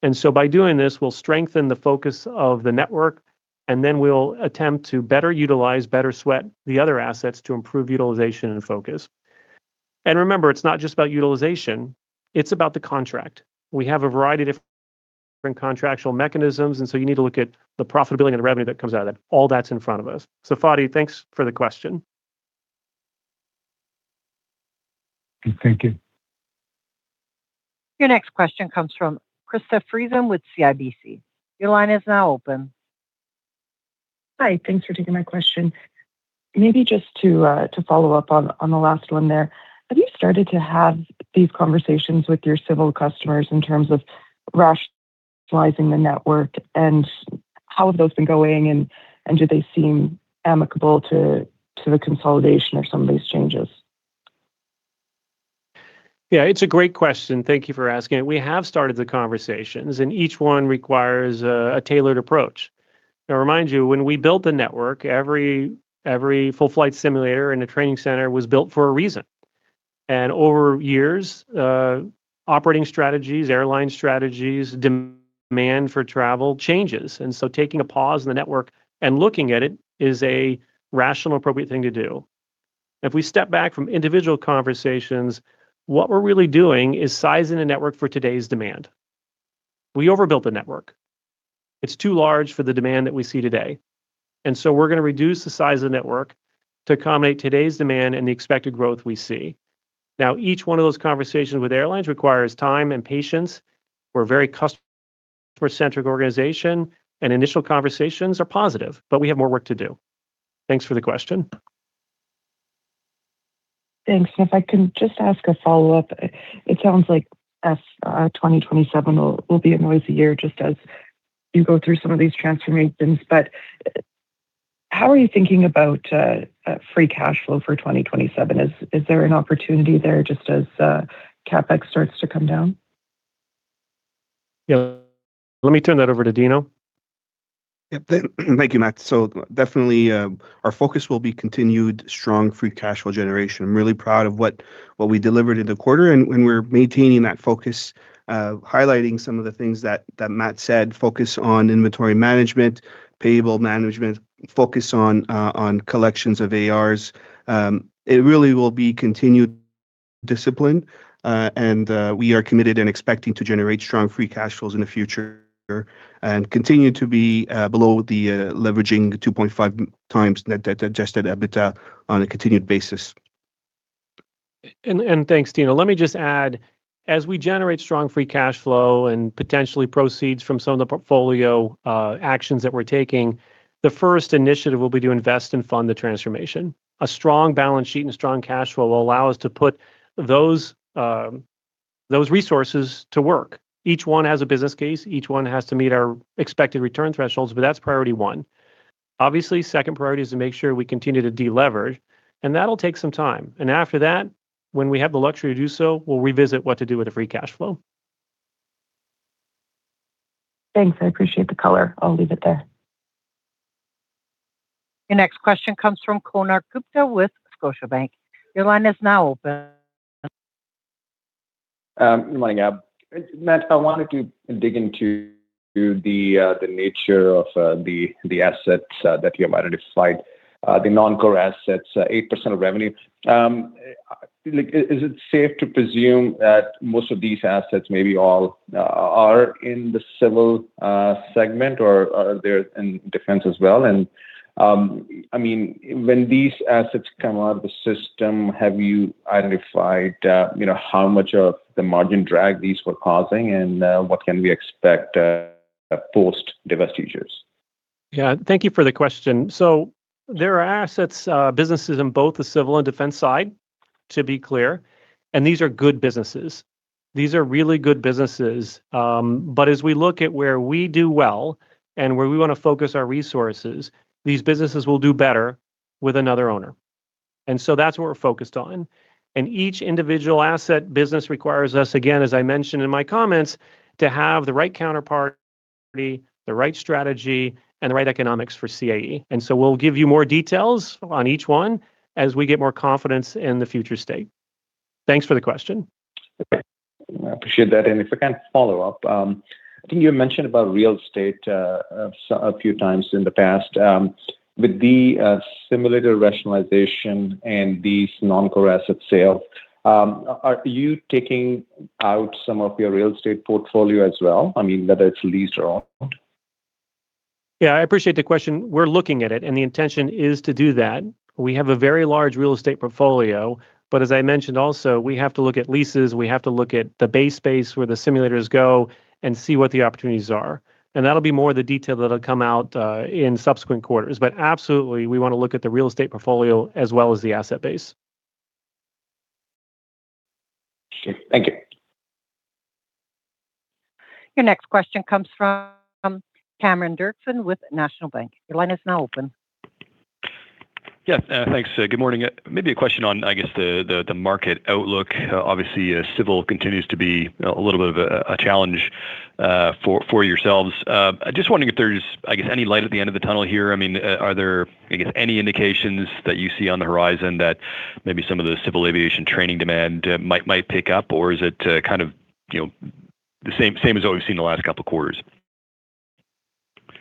And so by doing this, we'll strengthen the focus of the network, and then we'll attempt to better utilize, better sweat the other assets to improve utilization and focus. And remember, it's not just about utilization, it's about the contract. We have a variety of different contractual mechanisms, and so you need to look at the profitability and the revenue that comes out of it. All that's in front of us. So Fadi, thanks for the question. Thank you. Your next question comes from Krista Friesen with CIBC. Your line is now open. Hi, thanks for taking my question. Maybe just to follow up on the last one there, have you started to have these conversations with your civil customers in terms of rationalizing the network? And how have those been going, and do they seem amicable to the consolidation or some of these changes? Yeah, it's a great question. Thank you for asking it. We have started the conversations, and each one requires a tailored approach. I remind you, when we built the network, every full flight simulator in the training center was built for a reason. And over years, operating strategies, airline strategies, demand for travel changes, and so taking a pause in the network and looking at it is a rational, appropriate thing to do. If we step back from individual conversations, what we're really doing is sizing the network for today's demand. We overbuilt the network. It's too large for the demand that we see today, and so we're going to reduce the size of the network to accommodate today's demand and the expected growth we see. Now, each one of those conversations with airlines requires time and patience. We're a very customer-centric organization, and initial conversations are positive, but we have more work to do. Thanks for the question. Thanks. And if I can just ask a follow-up, it sounds like as 2027 will, will be a noisy year, just as you go through some of these transformations. But, how are you thinking about free cash flow for 2027? Is, is there an opportunity there just as CapEx starts to come down? Yeah. Let me turn that over to Tino. Yep. Thank you, Matt. So definitely, our focus will be continued strong free cash flow generation. I'm really proud of what we delivered in the quarter, and we're maintaining that focus, highlighting some of the things that Matt said: focus on inventory management, payables management, focus on collections of ARs. It really will be continued discipline, and we are committed and expecting to generate strong free cash flows in the future and continue to be below the 2.5x net debt to Adjusted EBITDA leverage on a continued basis. And thanks, Tino. Let me just add, as we generate strong free cash flow and potentially proceeds from some of the portfolio actions that we're taking, the first initiative will be to invest and fund the transformation. A strong balance sheet and strong cash flow will allow us to put those, those resources to work. Each one has a business case, each one has to meet our expected return thresholds, but that's priority one. Obviously, second priority is to make sure we continue to deleverage, and that'll take some time. And after that, when we have the luxury to do so, we'll revisit what to do with the free cash flow. Thanks. I appreciate the color. I'll leave it there. Your next question comes from Konark Gupta with Scotiabank. Your line is now open. Good morning, yeah. Matt, I wanted to dig into the nature of the assets that you identified, the non-core assets, 8% of revenue. Like, is it safe to presume that most of these assets, maybe all, are in the civil segment, or are they in defense as well? And, I mean, when these assets come out of the system, have you identified, you know, how much of the margin drag these were causing, and, what can we expect, post-divestitures? Yeah, thank you for the question. So there are assets, businesses in both the civil and defense side, to be clear, and these are good businesses. These are really good businesses. But as we look at where we do well and where we want to focus our resources, these businesses will do better with another owner, and so that's what we're focused on. And each individual asset business requires us, again, as I mentioned in my comments, to have the right counterparty, the right strategy, and the right economics for CAE. And so we'll give you more details on each one as we get more confidence in the future state. Thanks for the question. I appreciate that. And if I can follow up, I think you mentioned about real estate a few times in the past. With the simulator rationalization and these non-core asset sales, are you taking out some of your real estate portfolio as well? I mean, whether it's leased or owned. Yeah, I appreciate the question. We're looking at it, and the intention is to do that. We have a very large real estate portfolio, but as I mentioned also, we have to look at leases, we have to look at the bay space where the simulators go and see what the opportunities are. And that'll be more of the detail that'll come out in subsequent quarters. But absolutely, we want to look at the real estate portfolio as well as the asset base. Okay, thank you. Your next question comes from Cameron Doerksen with National Bank. Your line is now open. Yes, thanks. Good morning. Maybe a question on, I guess, the market outlook. Obviously, civil continues to be a little bit of a challenge for yourselves. I just wondering if there's, I guess, any light at the end of the tunnel here? I mean, are there, I guess, any indications that you see on the horizon that maybe some of the civil aviation training demand might pick up, or is it kind of, you know, the same as what we've seen in the last couple of quarters?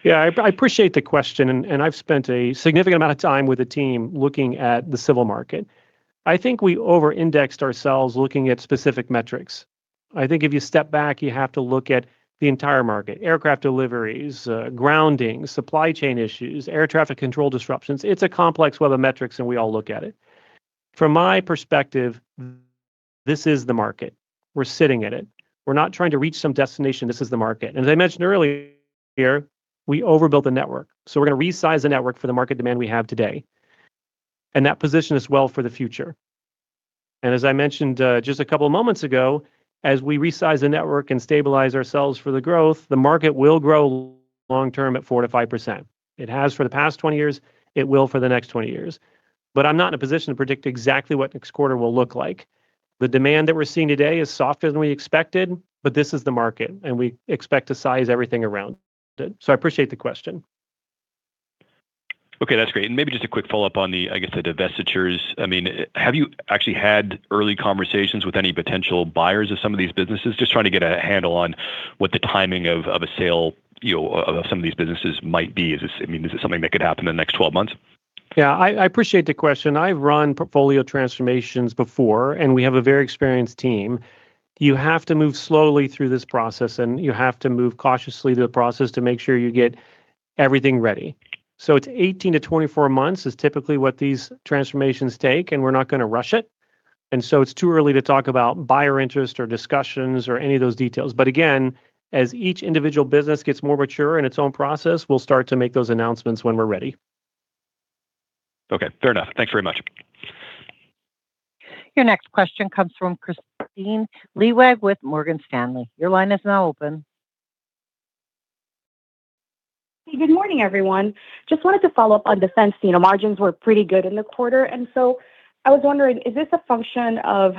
Yeah, I appreciate the question, and I've spent a significant amount of time with the team looking at the civil market. I think we over-indexed ourselves looking at specific metrics. I think if you step back, you have to look at the entire market, aircraft deliveries, grounding, supply chain issues, air traffic control disruptions. It's a complex web of metrics, and we all look at it. From my perspective, this is the market. We're sitting in it. We're not trying to reach some destination. This is the market. And as I mentioned earlier, we overbuilt the network, so we're going to resize the network for the market demand we have today, and that position is well for the future. And as I mentioned, just a couple of moments ago, as we resize the network and stabilize ourselves for the growth, the market will grow long-term at 4%-5%. It has for the past 20 years, it will for the next 20 years. But I'm not in a position to predict exactly what next quarter will look like. The demand that we're seeing today is softer than we expected, but this is the market, and we expect to size everything around it. So I appreciate the question. Okay, that's great. And maybe just a quick follow-up on the, I guess, the divestitures. I mean, have you actually had early conversations with any potential buyers of some of these businesses? Just trying to get a handle on what the timing of, of a sale, you know, of some of these businesses might be. Is this- I mean, is this something that could happen in the next 12 months? Yeah, I, I appreciate the question. I've run portfolio transformations before, and we have a very experienced team. You have to move slowly through this process, and you have to move cautiously through the process to make sure you get everything ready. So it's 18-24 months is typically what these transformations take, and we're not going to rush it, and so it's too early to talk about buyer interest or discussions or any of those details. But again, as each individual business gets more mature in its own process, we'll start to make those announcements when we're ready. Okay, fair enough. Thanks very much. Your next question comes from Kristine Liwag with Morgan Stanley. Your line is now open. Good morning, everyone. Just wanted to follow up on defense. You know, margins were pretty good in the quarter, and so I was wondering, is this a function of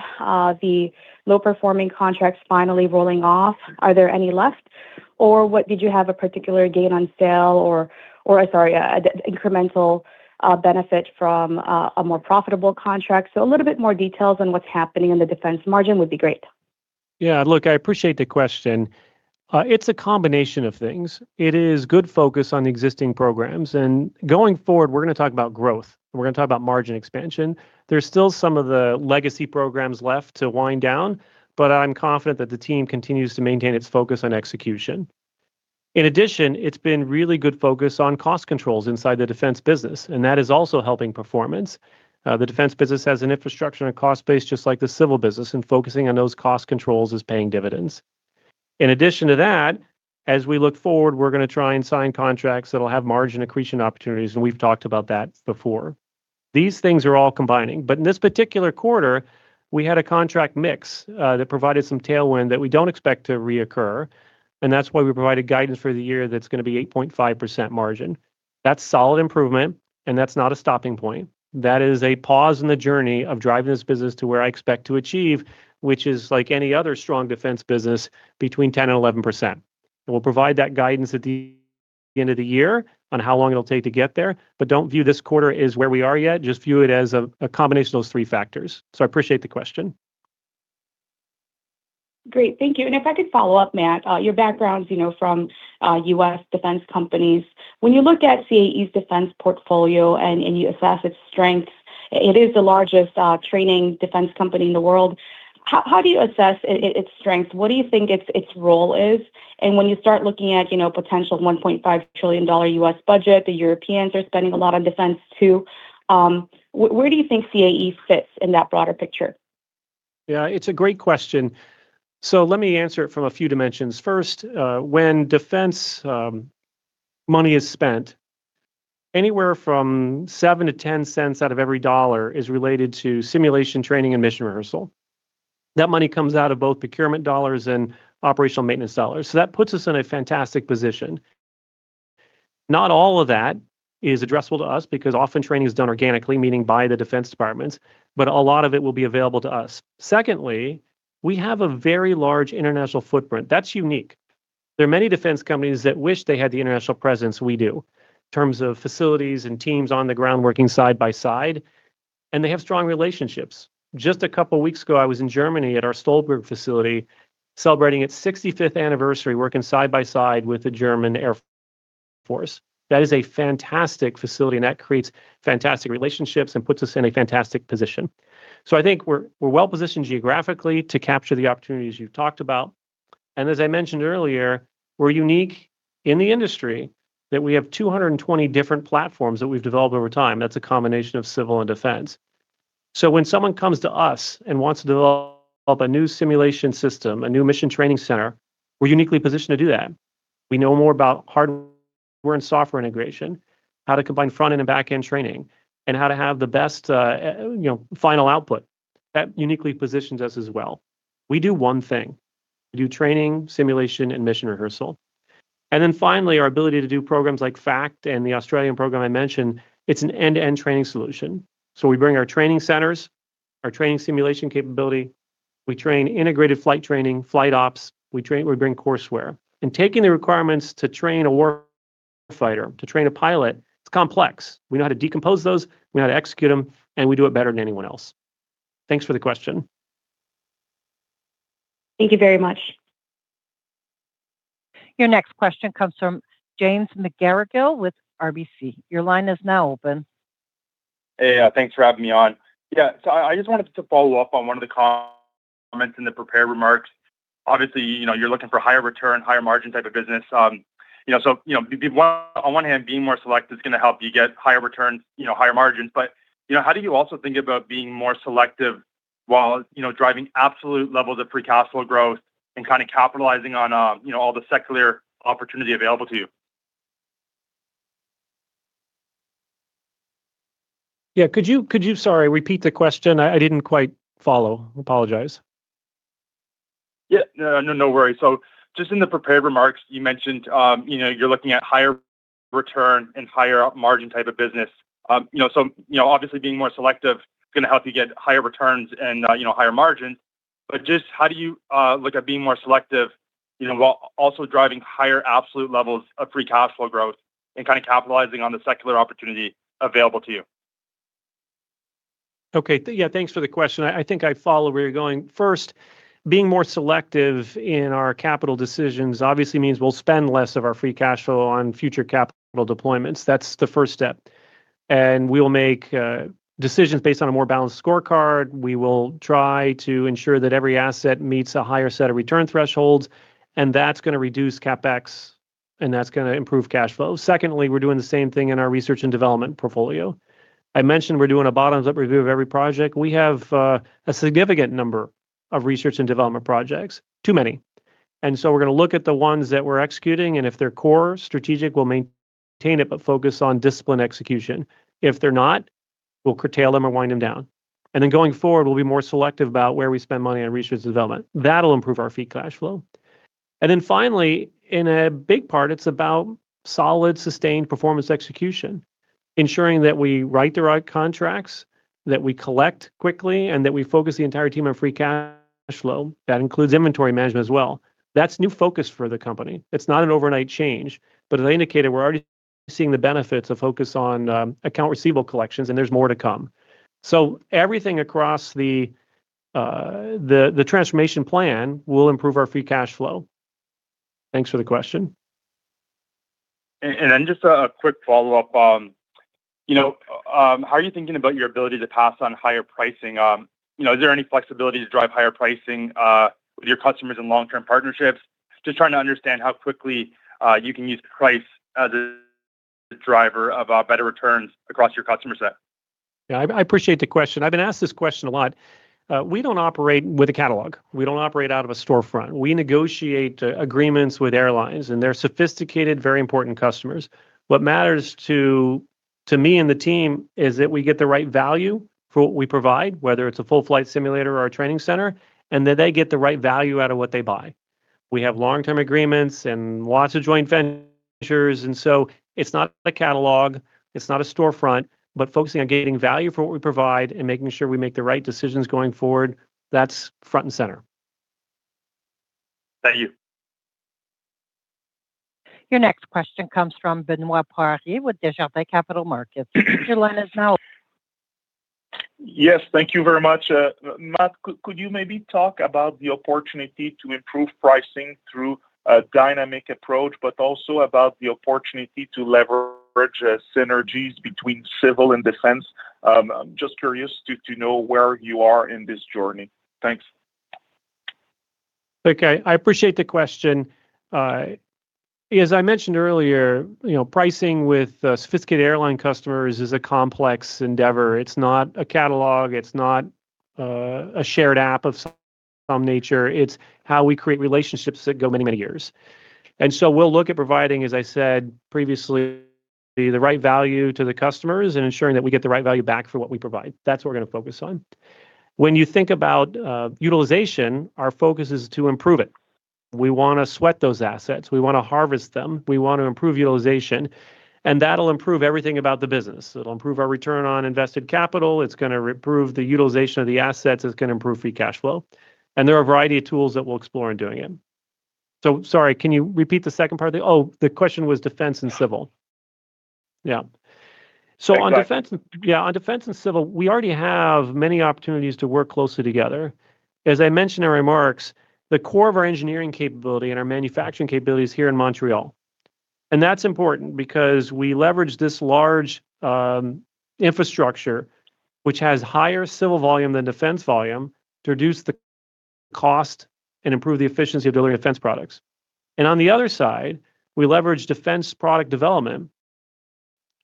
the low-performing contracts finally rolling off? Are there any left, or what, did you have a particular gain on sale or, or sorry, incremental benefit from a more profitable contract? So a little bit more details on what's happening in the defense margin would be great. Yeah, look, I appreciate the question. It's a combination of things. It is good focus on existing programs, and going forward, we're going to talk about growth, we're going to talk about margin expansion. There's still some of the legacy programs left to wind down, but I'm confident that the team continues to maintain its focus on execution. In addition, it's been really good focus on cost controls inside the defense business, and that is also helping performance. The defense business has an infrastructure and a cost base, just like the civil business, and focusing on those cost controls is paying dividends. In addition to that, as we look forward, we're going to try and sign contracts that will have margin accretion opportunities, and we've talked about that before. These things are all combining. But in this particular quarter, we had a contract mix that provided some tailwind that we don't expect to reoccur, and that's why we provided guidance for the year that's going to be 8.5% margin. That's solid improvement, and that's not a stopping point. That is a pause in the journey of driving this business to where I expect to achieve, which is like any other strong defense business, between 10%-11%, we'll provide that guidance at the end of the year on how long it'll take to get there. But don't view this quarter as where we are yet, just view it as a combination of those three factors. So I appreciate the question. Great. Thank you, and if I could follow up, Matt, your background's, you know, from U.S. defense companies. When you look at CAE's defense portfolio and you assess its strengths, it is the largest training defense company in the world. How do you assess its strength? What do you think its role is? And when you start looking at, you know, potential $1.5 trillion U.S. budget, the Europeans are spending a lot on defense, too, where do you think CAE fits in that broader picture? Yeah, it's a great question, so let me answer it from a few dimensions. First, when defense money is spent, anywhere from 7-10 cents out of every dollar is related to simulation, training, and mission rehearsal. That money comes out of both procurement dollars and operational maintenance dollars, so that puts us in a fantastic position. Not all of that is addressable to us, because often training is done organically, meaning by the defense departments, but a lot of it will be available to us. Secondly, we have a very large international footprint. That's unique. There are many defense companies that wish they had the international presence we do, in terms of facilities and teams on the ground working side by side, and they have strong relationships. Just a couple of weeks ago, I was in Germany at our Stolberg facility, celebrating its sixty-fifth anniversary, working side by side with the German Air Force. That is a fantastic facility, and that creates fantastic relationships and puts us in a fantastic position. So I think we're, we're well positioned geographically to capture the opportunities you've talked about, and as I mentioned earlier, we're unique in the industry that we have 220 different platforms that we've developed over time. That's a combination of civil and defense. So when someone comes to us and wants to develop a new simulation system, a new mission training center, we're uniquely positioned to do that. We know more about hardware and software integration, how to combine front-end and back-end training, and how to have the best, you know, final output. That uniquely positions us as well. We do one thing: we do training, simulation, and mission rehearsal. And then finally, our ability to do programs like FAcT and the Australian program I mentioned, it's an end-to-end training solution. So we bring our training centers, our training simulation capability, we train integrated flight training, flight ops, we train, we bring courseware. And taking the requirements to train a warfighter, to train a pilot, it's complex. We know how to decompose those, we know how to execute them, and we do it better than anyone else. Thanks for the question. Thank you very much. Your next question comes from James McGarragle with RBC. Your line is now open. Hey, thanks for having me on. Yeah, so I just wanted to follow up on one of the comments in the prepared remarks. Obviously, you know, you're looking for higher return, higher margin type of business. You know, so, you know, well, on one hand, being more selective is gonna help you get higher returns, you know, higher margins. But, you know, how do you also think about being more selective while, you know, driving absolute levels of free cash flow growth and kind of capitalizing on, you know, all the secular opportunity available to you? Yeah. Could you, sorry, repeat the question? I didn't quite follow. I apologize. Yeah, no, no, no worries. So just in the prepared remarks you mentioned, you know, you're looking at higher return and higher margin type of business. You know, so, you know, obviously being more selective is gonna help you get higher returns and, you know, higher margins. But just how do you look at being more selective, you know, while also driving higher absolute levels of free cash flow growth and kind of capitalizing on the secular opportunity available to you? Okay. Yeah, thanks for the question. I think I follow where you're going. First, being more selective in our capital decisions obviously means we'll spend less of our free cash flow on future capital deployments. That's the first step, and we'll make decisions based on a more balanced scorecard. We will try to ensure that every asset meets a higher set of return thresholds, and that's gonna reduce CapEx, and that's gonna improve cash flow. Secondly, we're doing the same thing in our research and development portfolio. I mentioned we're doing a bottoms-up review of every project. We have a significant number of research and development projects, too many, and so we're gonna look at the ones that we're executing, and if they're core strategic, we'll maintain it, but focus on disciplined execution. If they're not, we'll curtail them or wind them down, and then going forward, we'll be more selective about where we spend money on research and development. That'll improve our free cash flow. And then finally, in a big part, it's about solid, sustained performance execution, ensuring that we write the right contracts, that we collect quickly, and that we focus the entire team on free cash flow. That includes inventory management as well. That's new focus for the company. It's not an overnight change, but as I indicated, we're already seeing the benefits of focus on accounts receivable collections, and there's more to come. So everything across the transformation plan will improve our free cash flow. Thanks for the question. And then just a quick follow-up, you know, how are you thinking about your ability to pass on higher pricing? You know, is there any flexibility to drive higher pricing, with your customers in long-term partnerships? Just trying to understand how quickly, you can use price as a driver of, better returns across your customer set. Yeah, I, I appreciate the question. I've been asked this question a lot. We don't operate with a catalog. We don't operate out of a storefront. We negotiate agreements with airlines, and they're sophisticated, very important customers. What matters to, to me and the team is that we get the right value for what we provide, whether it's a full flight simulator or a training center, and that they get the right value out of what they buy. We have long-term agreements and lots of joint ventures and so it's not a catalog, it's not a storefront, but focusing on gaining value for what we provide and making sure we make the right decisions going forward, that's front and center. Thank you. Your next question comes from Benoit Poirier with Desjardins Capital Markets. Your line is now open. Yes, thank you very much. Matt, could you maybe talk about the opportunity to improve pricing through a dynamic approach, but also about the opportunity to leverage synergies between civil and defense? I'm just curious to know where you are in this journey. Thanks. Okay, I appreciate the question. As I mentioned earlier, you know, pricing with sophisticated airline customers is a complex endeavor. It's not a catalog, it's not a shared app of some nature. It's how we create relationships that go many, many years. And so we'll look at providing, as I said previously, the right value to the customers and ensuring that we get the right value back for what we provide. That's what we're going to focus on. When you think about utilization, our focus is to improve it. We want to sweat those assets, we want to harvest them, we want to improve utilization, and that'll improve everything about the business. It'll improve our return on invested capital, it's going to improve the utilization of the assets, it's going to improve free cash flow, and there are a variety of tools that we'll explore in doing it. So sorry, can you repeat the second part? Oh, the question was defense and civil. Yeah. Right. So on defense, yeah, on defense and civil, we already have many opportunities to work closely together. As I mentioned in remarks, the core of our engineering capability and our manufacturing capability is here in Montreal, and that's important because we leverage this large infrastructure, which has higher civil volume than defense volume, to reduce the cost and improve the efficiency of delivering defense products. And on the other side, we leverage defense product development,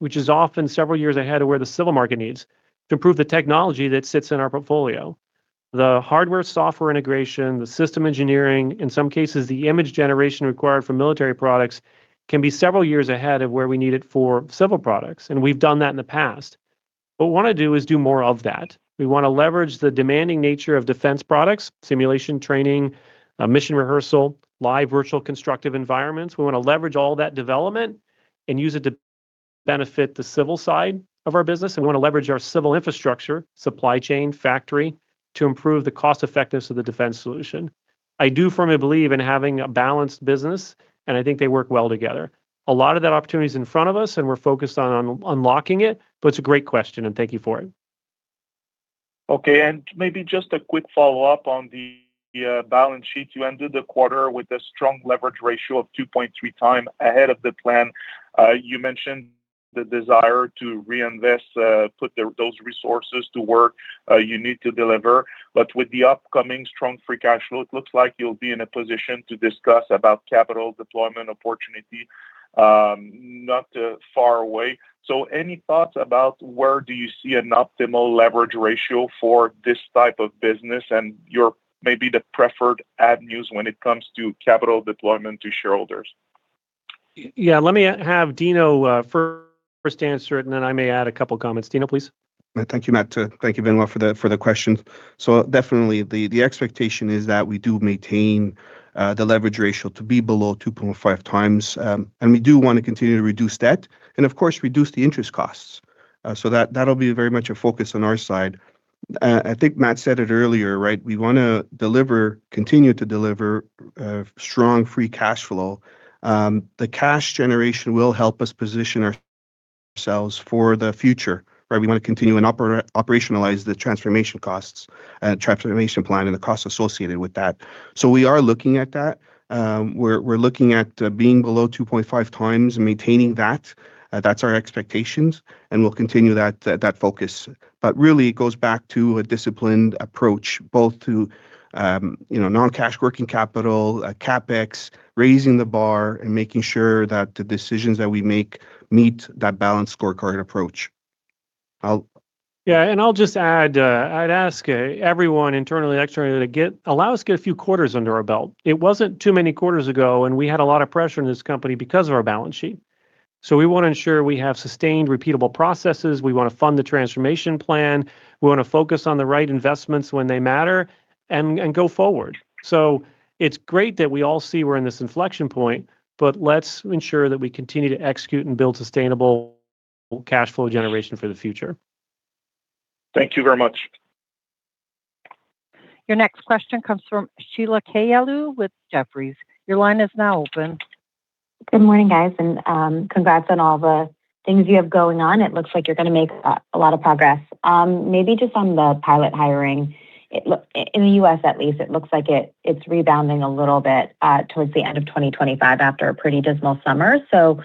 which is often several years ahead of where the civil market needs, to improve the technology that sits in our portfolio. The hardware-software integration, the system engineering, in some cases, the image generation required for military products can be several years ahead of where we need it for civil products, and we've done that in the past. What we want to do is do more of that. We want to leverage the demanding nature of defense products, simulation, training, mission rehearsal, Live Virtual Constructive environments. We want to leverage all that development and use it to benefit the civil side of our business, and we want to leverage our civil infrastructure, supply chain, factory, to improve the cost effectiveness of the defense solution. I do firmly believe in having a balanced business, and I think they work well together. A lot of that opportunity is in front of us, and we're focused on, on unlocking it, but it's a great question, and thank you for it. Okay, and maybe just a quick follow-up on the balance sheet. You ended the quarter with a strong leverage ratio of 2.3x ahead of the plan. You mentioned the desire to reinvest, put the those resources to work, you need to deliver. But with the upcoming strong free cash flow, it looks like you'll be in a position to discuss about capital deployment opportunity, not far away. So any thoughts about where do you see an optimal leverage ratio for this type of business and your maybe the preferred avenues when it comes to capital deployment to shareholders? Yeah, let me have Tino first answer it, and then I may add a couple of comments. Tino, please. Thank you, Matt. Thank you very much for the questions. So definitely, the expectation is that we do maintain the leverage ratio to be below 2.5x, and we do want to continue to reduce debt and, of course, reduce the interest costs. So that, that'll be very much a focus on our side. I think Matt said it earlier, right? We want to deliver, continue to deliver strong free cash flow. The cash generation will help us position ourselves for the future, right? We want to continue and operationalize the transformation costs, transformation plan, and the costs associated with that. So we are looking at that. We're looking at being below 2.5x and maintaining that. That's our expectations, and we'll continue that focus. But really, it goes back to a disciplined approach, both to, you know, non-cash working capital, CapEx, raising the bar, and making sure that the decisions that we make meet that balanced scorecard approach. I'll- Yeah, and I'll just add, I'd ask everyone internally, externally, to allow us to get a few quarters under our belt. It wasn't too many quarters ago, and we had a lot of pressure in this company because of our balance sheet. So we want to ensure we have sustained, repeatable processes, we want to fund the transformation plan, we want to focus on the right investments when they matter, and, and go forward. So it's great that we all see we're in this inflection point, but let's ensure that we continue to execute and build sustainable cash flow generation for the future. Thank you very much. Your next question comes from Sheila Kahyaoglu with Jefferies. Your line is now open. Good morning, guys, and, congrats on all the things you have going on. It looks like you're going to make a lot of progress. Maybe just on the pilot hiring, in the U.S. at least, it looks like it's rebounding a little bit towards the end of 2025 after a pretty dismal summer. So,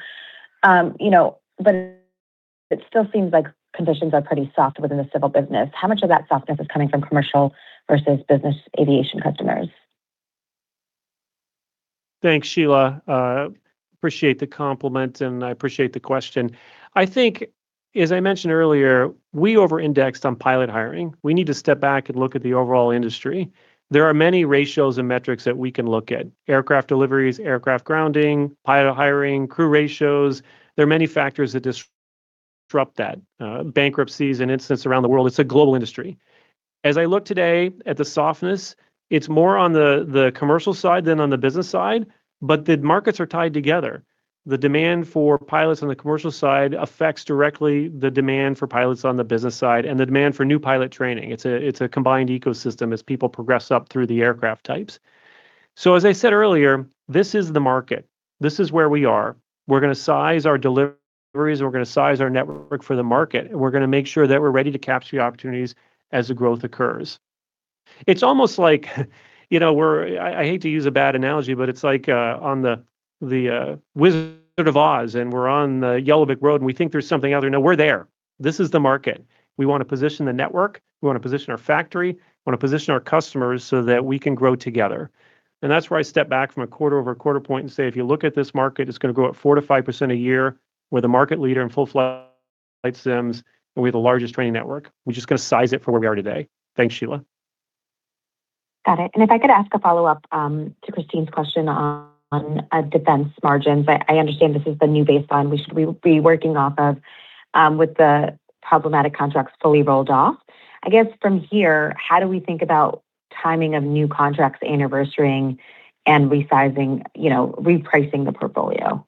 you know, but it still seems like conditions are pretty soft within the civil business. How much of that softness is coming from commercial versus business aviation customers? Thanks, Sheila. Appreciate the compliment, and I appreciate the question. I think, as I mentioned earlier, we over-indexed on pilot hiring. We need to step back and look at the overall industry. There are many ratios and metrics that we can look at: aircraft deliveries, aircraft grounding, pilot hiring, crew ratios. There are many factors, bankruptcies and incidents around the world; it's a global industry. As I look today at the softness, it's more on the commercial side than on the business side, but the markets are tied together. The demand for pilots on the commercial side affects directly the demand for pilots on the business side and the demand for new pilot training. It's a combined ecosystem as people progress up through the aircraft types. So as I said earlier, this is the market. This is where we are. We're gonna size our deliveries, and we're gonna size our network for the market, and we're gonna make sure that we're ready to capture the opportunities as the growth occurs. It's almost like, you know, we're-- I hate to use a bad analogy, but it's like on the Wizard of Oz, and we're on the Yellow Brick Road, and we think there's something out there. No, we're there. This is the market. We want to position the network, we want to position our factory, we want to position our customers so that we can grow together. And that's where I step back from a quarter-over-quarter point and say, if you look at this market, it's gonna grow at 4%-5% a year. We're the market leader in full-flight sims, and we have the largest training network. We just got to size it for where we are today. Thanks, Sheila. Got it. If I could ask a follow-up to Christine's question on defense margins, but I understand this is the new baseline we should be working off of with the problematic contracts fully rolled off. I guess from here, how do we think about timing of new contracts anniversaring and resizing, you know, repricing the portfolio?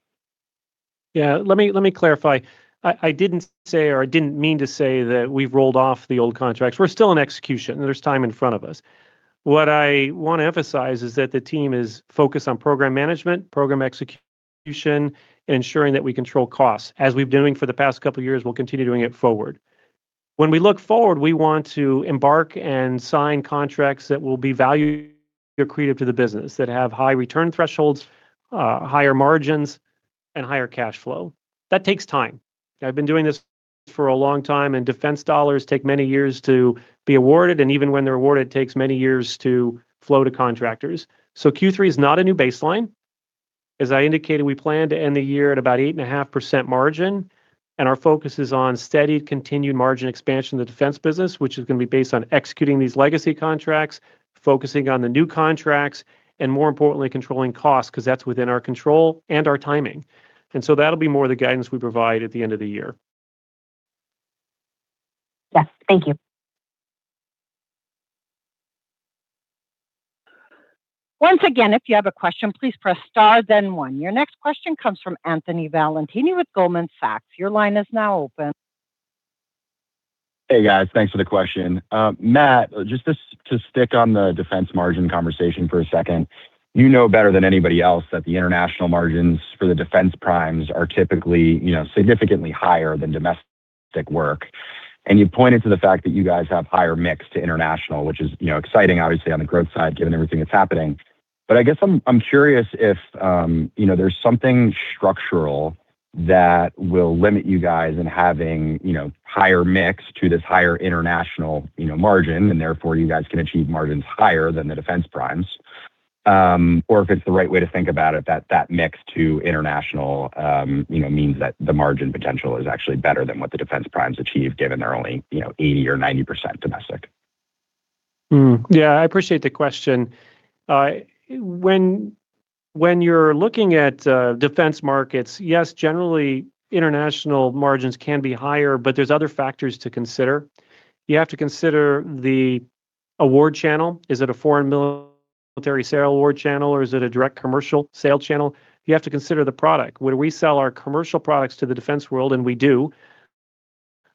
Yeah, let me, let me clarify. I, I didn't say, or I didn't mean to say that we've rolled off the old contracts. We're still in execution, there's time in front of us. What I want to emphasize is that the team is focused on program management, program execution, ensuring that we control costs, as we've been doing for the past couple of years, we'll continue doing it forward. When we look forward, we want to embark and sign contracts that will be value accretive to the business, that have high return thresholds, higher margins, and higher cash flow. That takes time. I've been doing this for a long time, and defense dollars take many years to be awarded, and even when they're awarded, it takes many years to flow to contractors. So Q3 is not a new baseline. As I indicated, we plan to end the year at about 8.5% margin, and our focus is on steady, continued margin expansion in the defense business, which is gonna be based on executing these legacy contracts, focusing on the new contracts, and more importantly, controlling costs, because that's within our control and our timing. And so that'll be more of the guidance we provide at the end of the year. Yes. Thank you. Once again, if you have a question, please press star, then one. Your next question comes from Anthony Valentini with Goldman Sachs. Your line is now open. Hey, guys. Thanks for the question. Matt, just to stick on the defense margin conversation for a second, you know better than anybody else that the international margins for the defense primes are typically, you know, significantly higher than domestic work. And you pointed to the fact that you guys have higher mix to international, which is, you know, exciting, obviously, on the growth side, given everything that's happening. But I guess I'm curious if, you know, there's something structural that will limit you guys in having, you know, higher mix to this higher international, you know, margin, and therefore, you guys can achieve margins higher than the defense primes. Or, if it's the right way to think about it, that that mix to international, you know, means that the margin potential is actually better than what the defense primes achieve, given they're only, you know, 80% or 90% domestic. Yeah, I appreciate the question. When you're looking at defense markets, yes, generally, international margins can be higher, but there's other factors to consider. You have to consider the award channel. Is it a Foreign Military Sale award channel, or is it a Direct Commercial Sale channel? You have to consider the product. When we sell our commercial products to the defense world, and we do,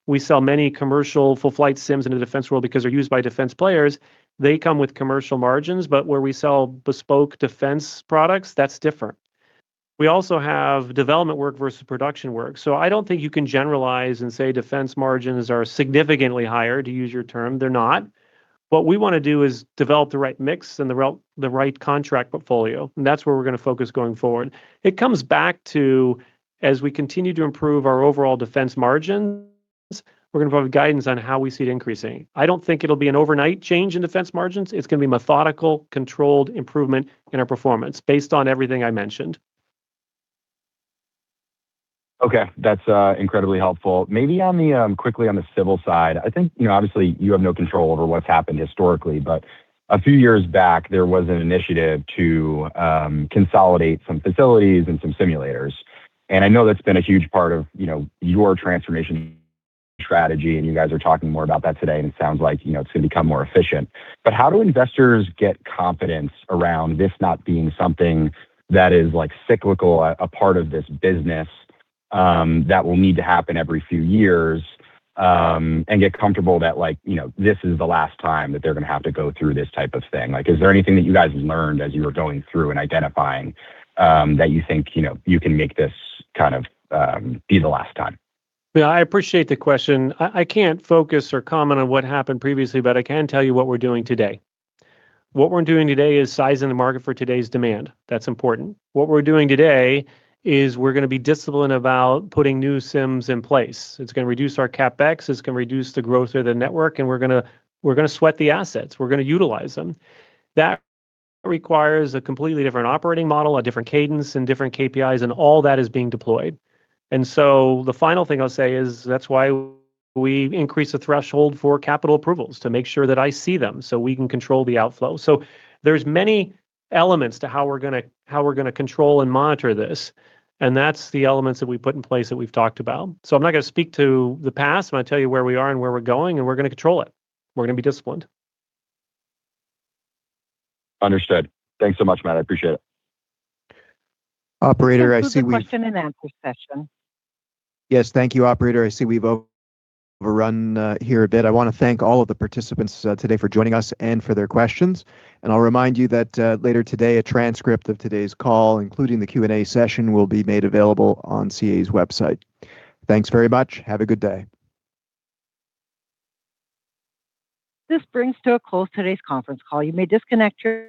we sell many commercial full flight sims in the defense world because they're used by defense players, they come with commercial margins, but where we sell bespoke defense products, that's different. We also have development work versus production work, so I don't think you can generalize and say defense margins are significantly higher, to use your term, they're not. What we want to do is develop the right mix and the right contract portfolio, and that's where we're gonna focus going forward. It comes back to, as we continue to improve our overall defense margins, we're gonna provide guidance on how we see it increasing. I don't think it'll be an overnight change in defense margins. It's gonna be methodical, controlled improvement in our performance, based on everything I mentioned. Okay, that's incredibly helpful. Maybe on the quickly on the civil side, I think, you know, obviously, you have no control over what's happened historically, but a few years back, there was an initiative to consolidate some facilities and some simulators. And I know that's been a huge part of, you know, your transformation strategy, and you guys are talking more about that today, and it sounds like, you know, it's going to become more efficient. But how do investors get confidence around this not being something that is, like, cyclical, a part of this business, that will need to happen every few years, and get comfortable that, like, you know, this is the last time that they're gonna have to go through this type of thing? Like, is there anything that you guys have learned as you were going through and identifying, that you think, you know, you can make this kind of, be the last time? Yeah, I appreciate the question. I, I can't focus or comment on what happened previously, but I can tell you what we're doing today. What we're doing today is sizing the market for today's demand. That's important. What we're doing today is we're gonna be disciplined about putting new sims in place. It's gonna reduce our CapEx, it's gonna reduce the growth of the network, and we're gonna, we're gonna sweat the assets, we're gonna utilize them. That requires a completely different operating model, a different cadence, and different KPIs, and all that is being deployed. And so the final thing I'll say is, that's why we increase the threshold for capital approvals, to make sure that I see them, so we can control the outflow. There's many elements to how we're gonna control and monitor this, and that's the elements that we put in place that we've talked about. I'm not gonna speak to the past, I'm gonna tell you where we are and where we're going, and we're gonna control it. We're gonna be disciplined. Understood. Thanks so much, Matt. I appreciate it. Operator, I see we- Conclude the question and answer session. Yes, thank you, operator. I see we've overrun here a bit. I want to thank all of the participants today for joining us and for their questions. I'll remind you that later today, a transcript of today's call, including the Q&A session, will be made available on CAE's website. Thanks very much. Have a good day. This brings to a close today's conference call. You may disconnect your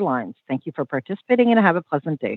lines. Thank you for participating, and have a pleasant day.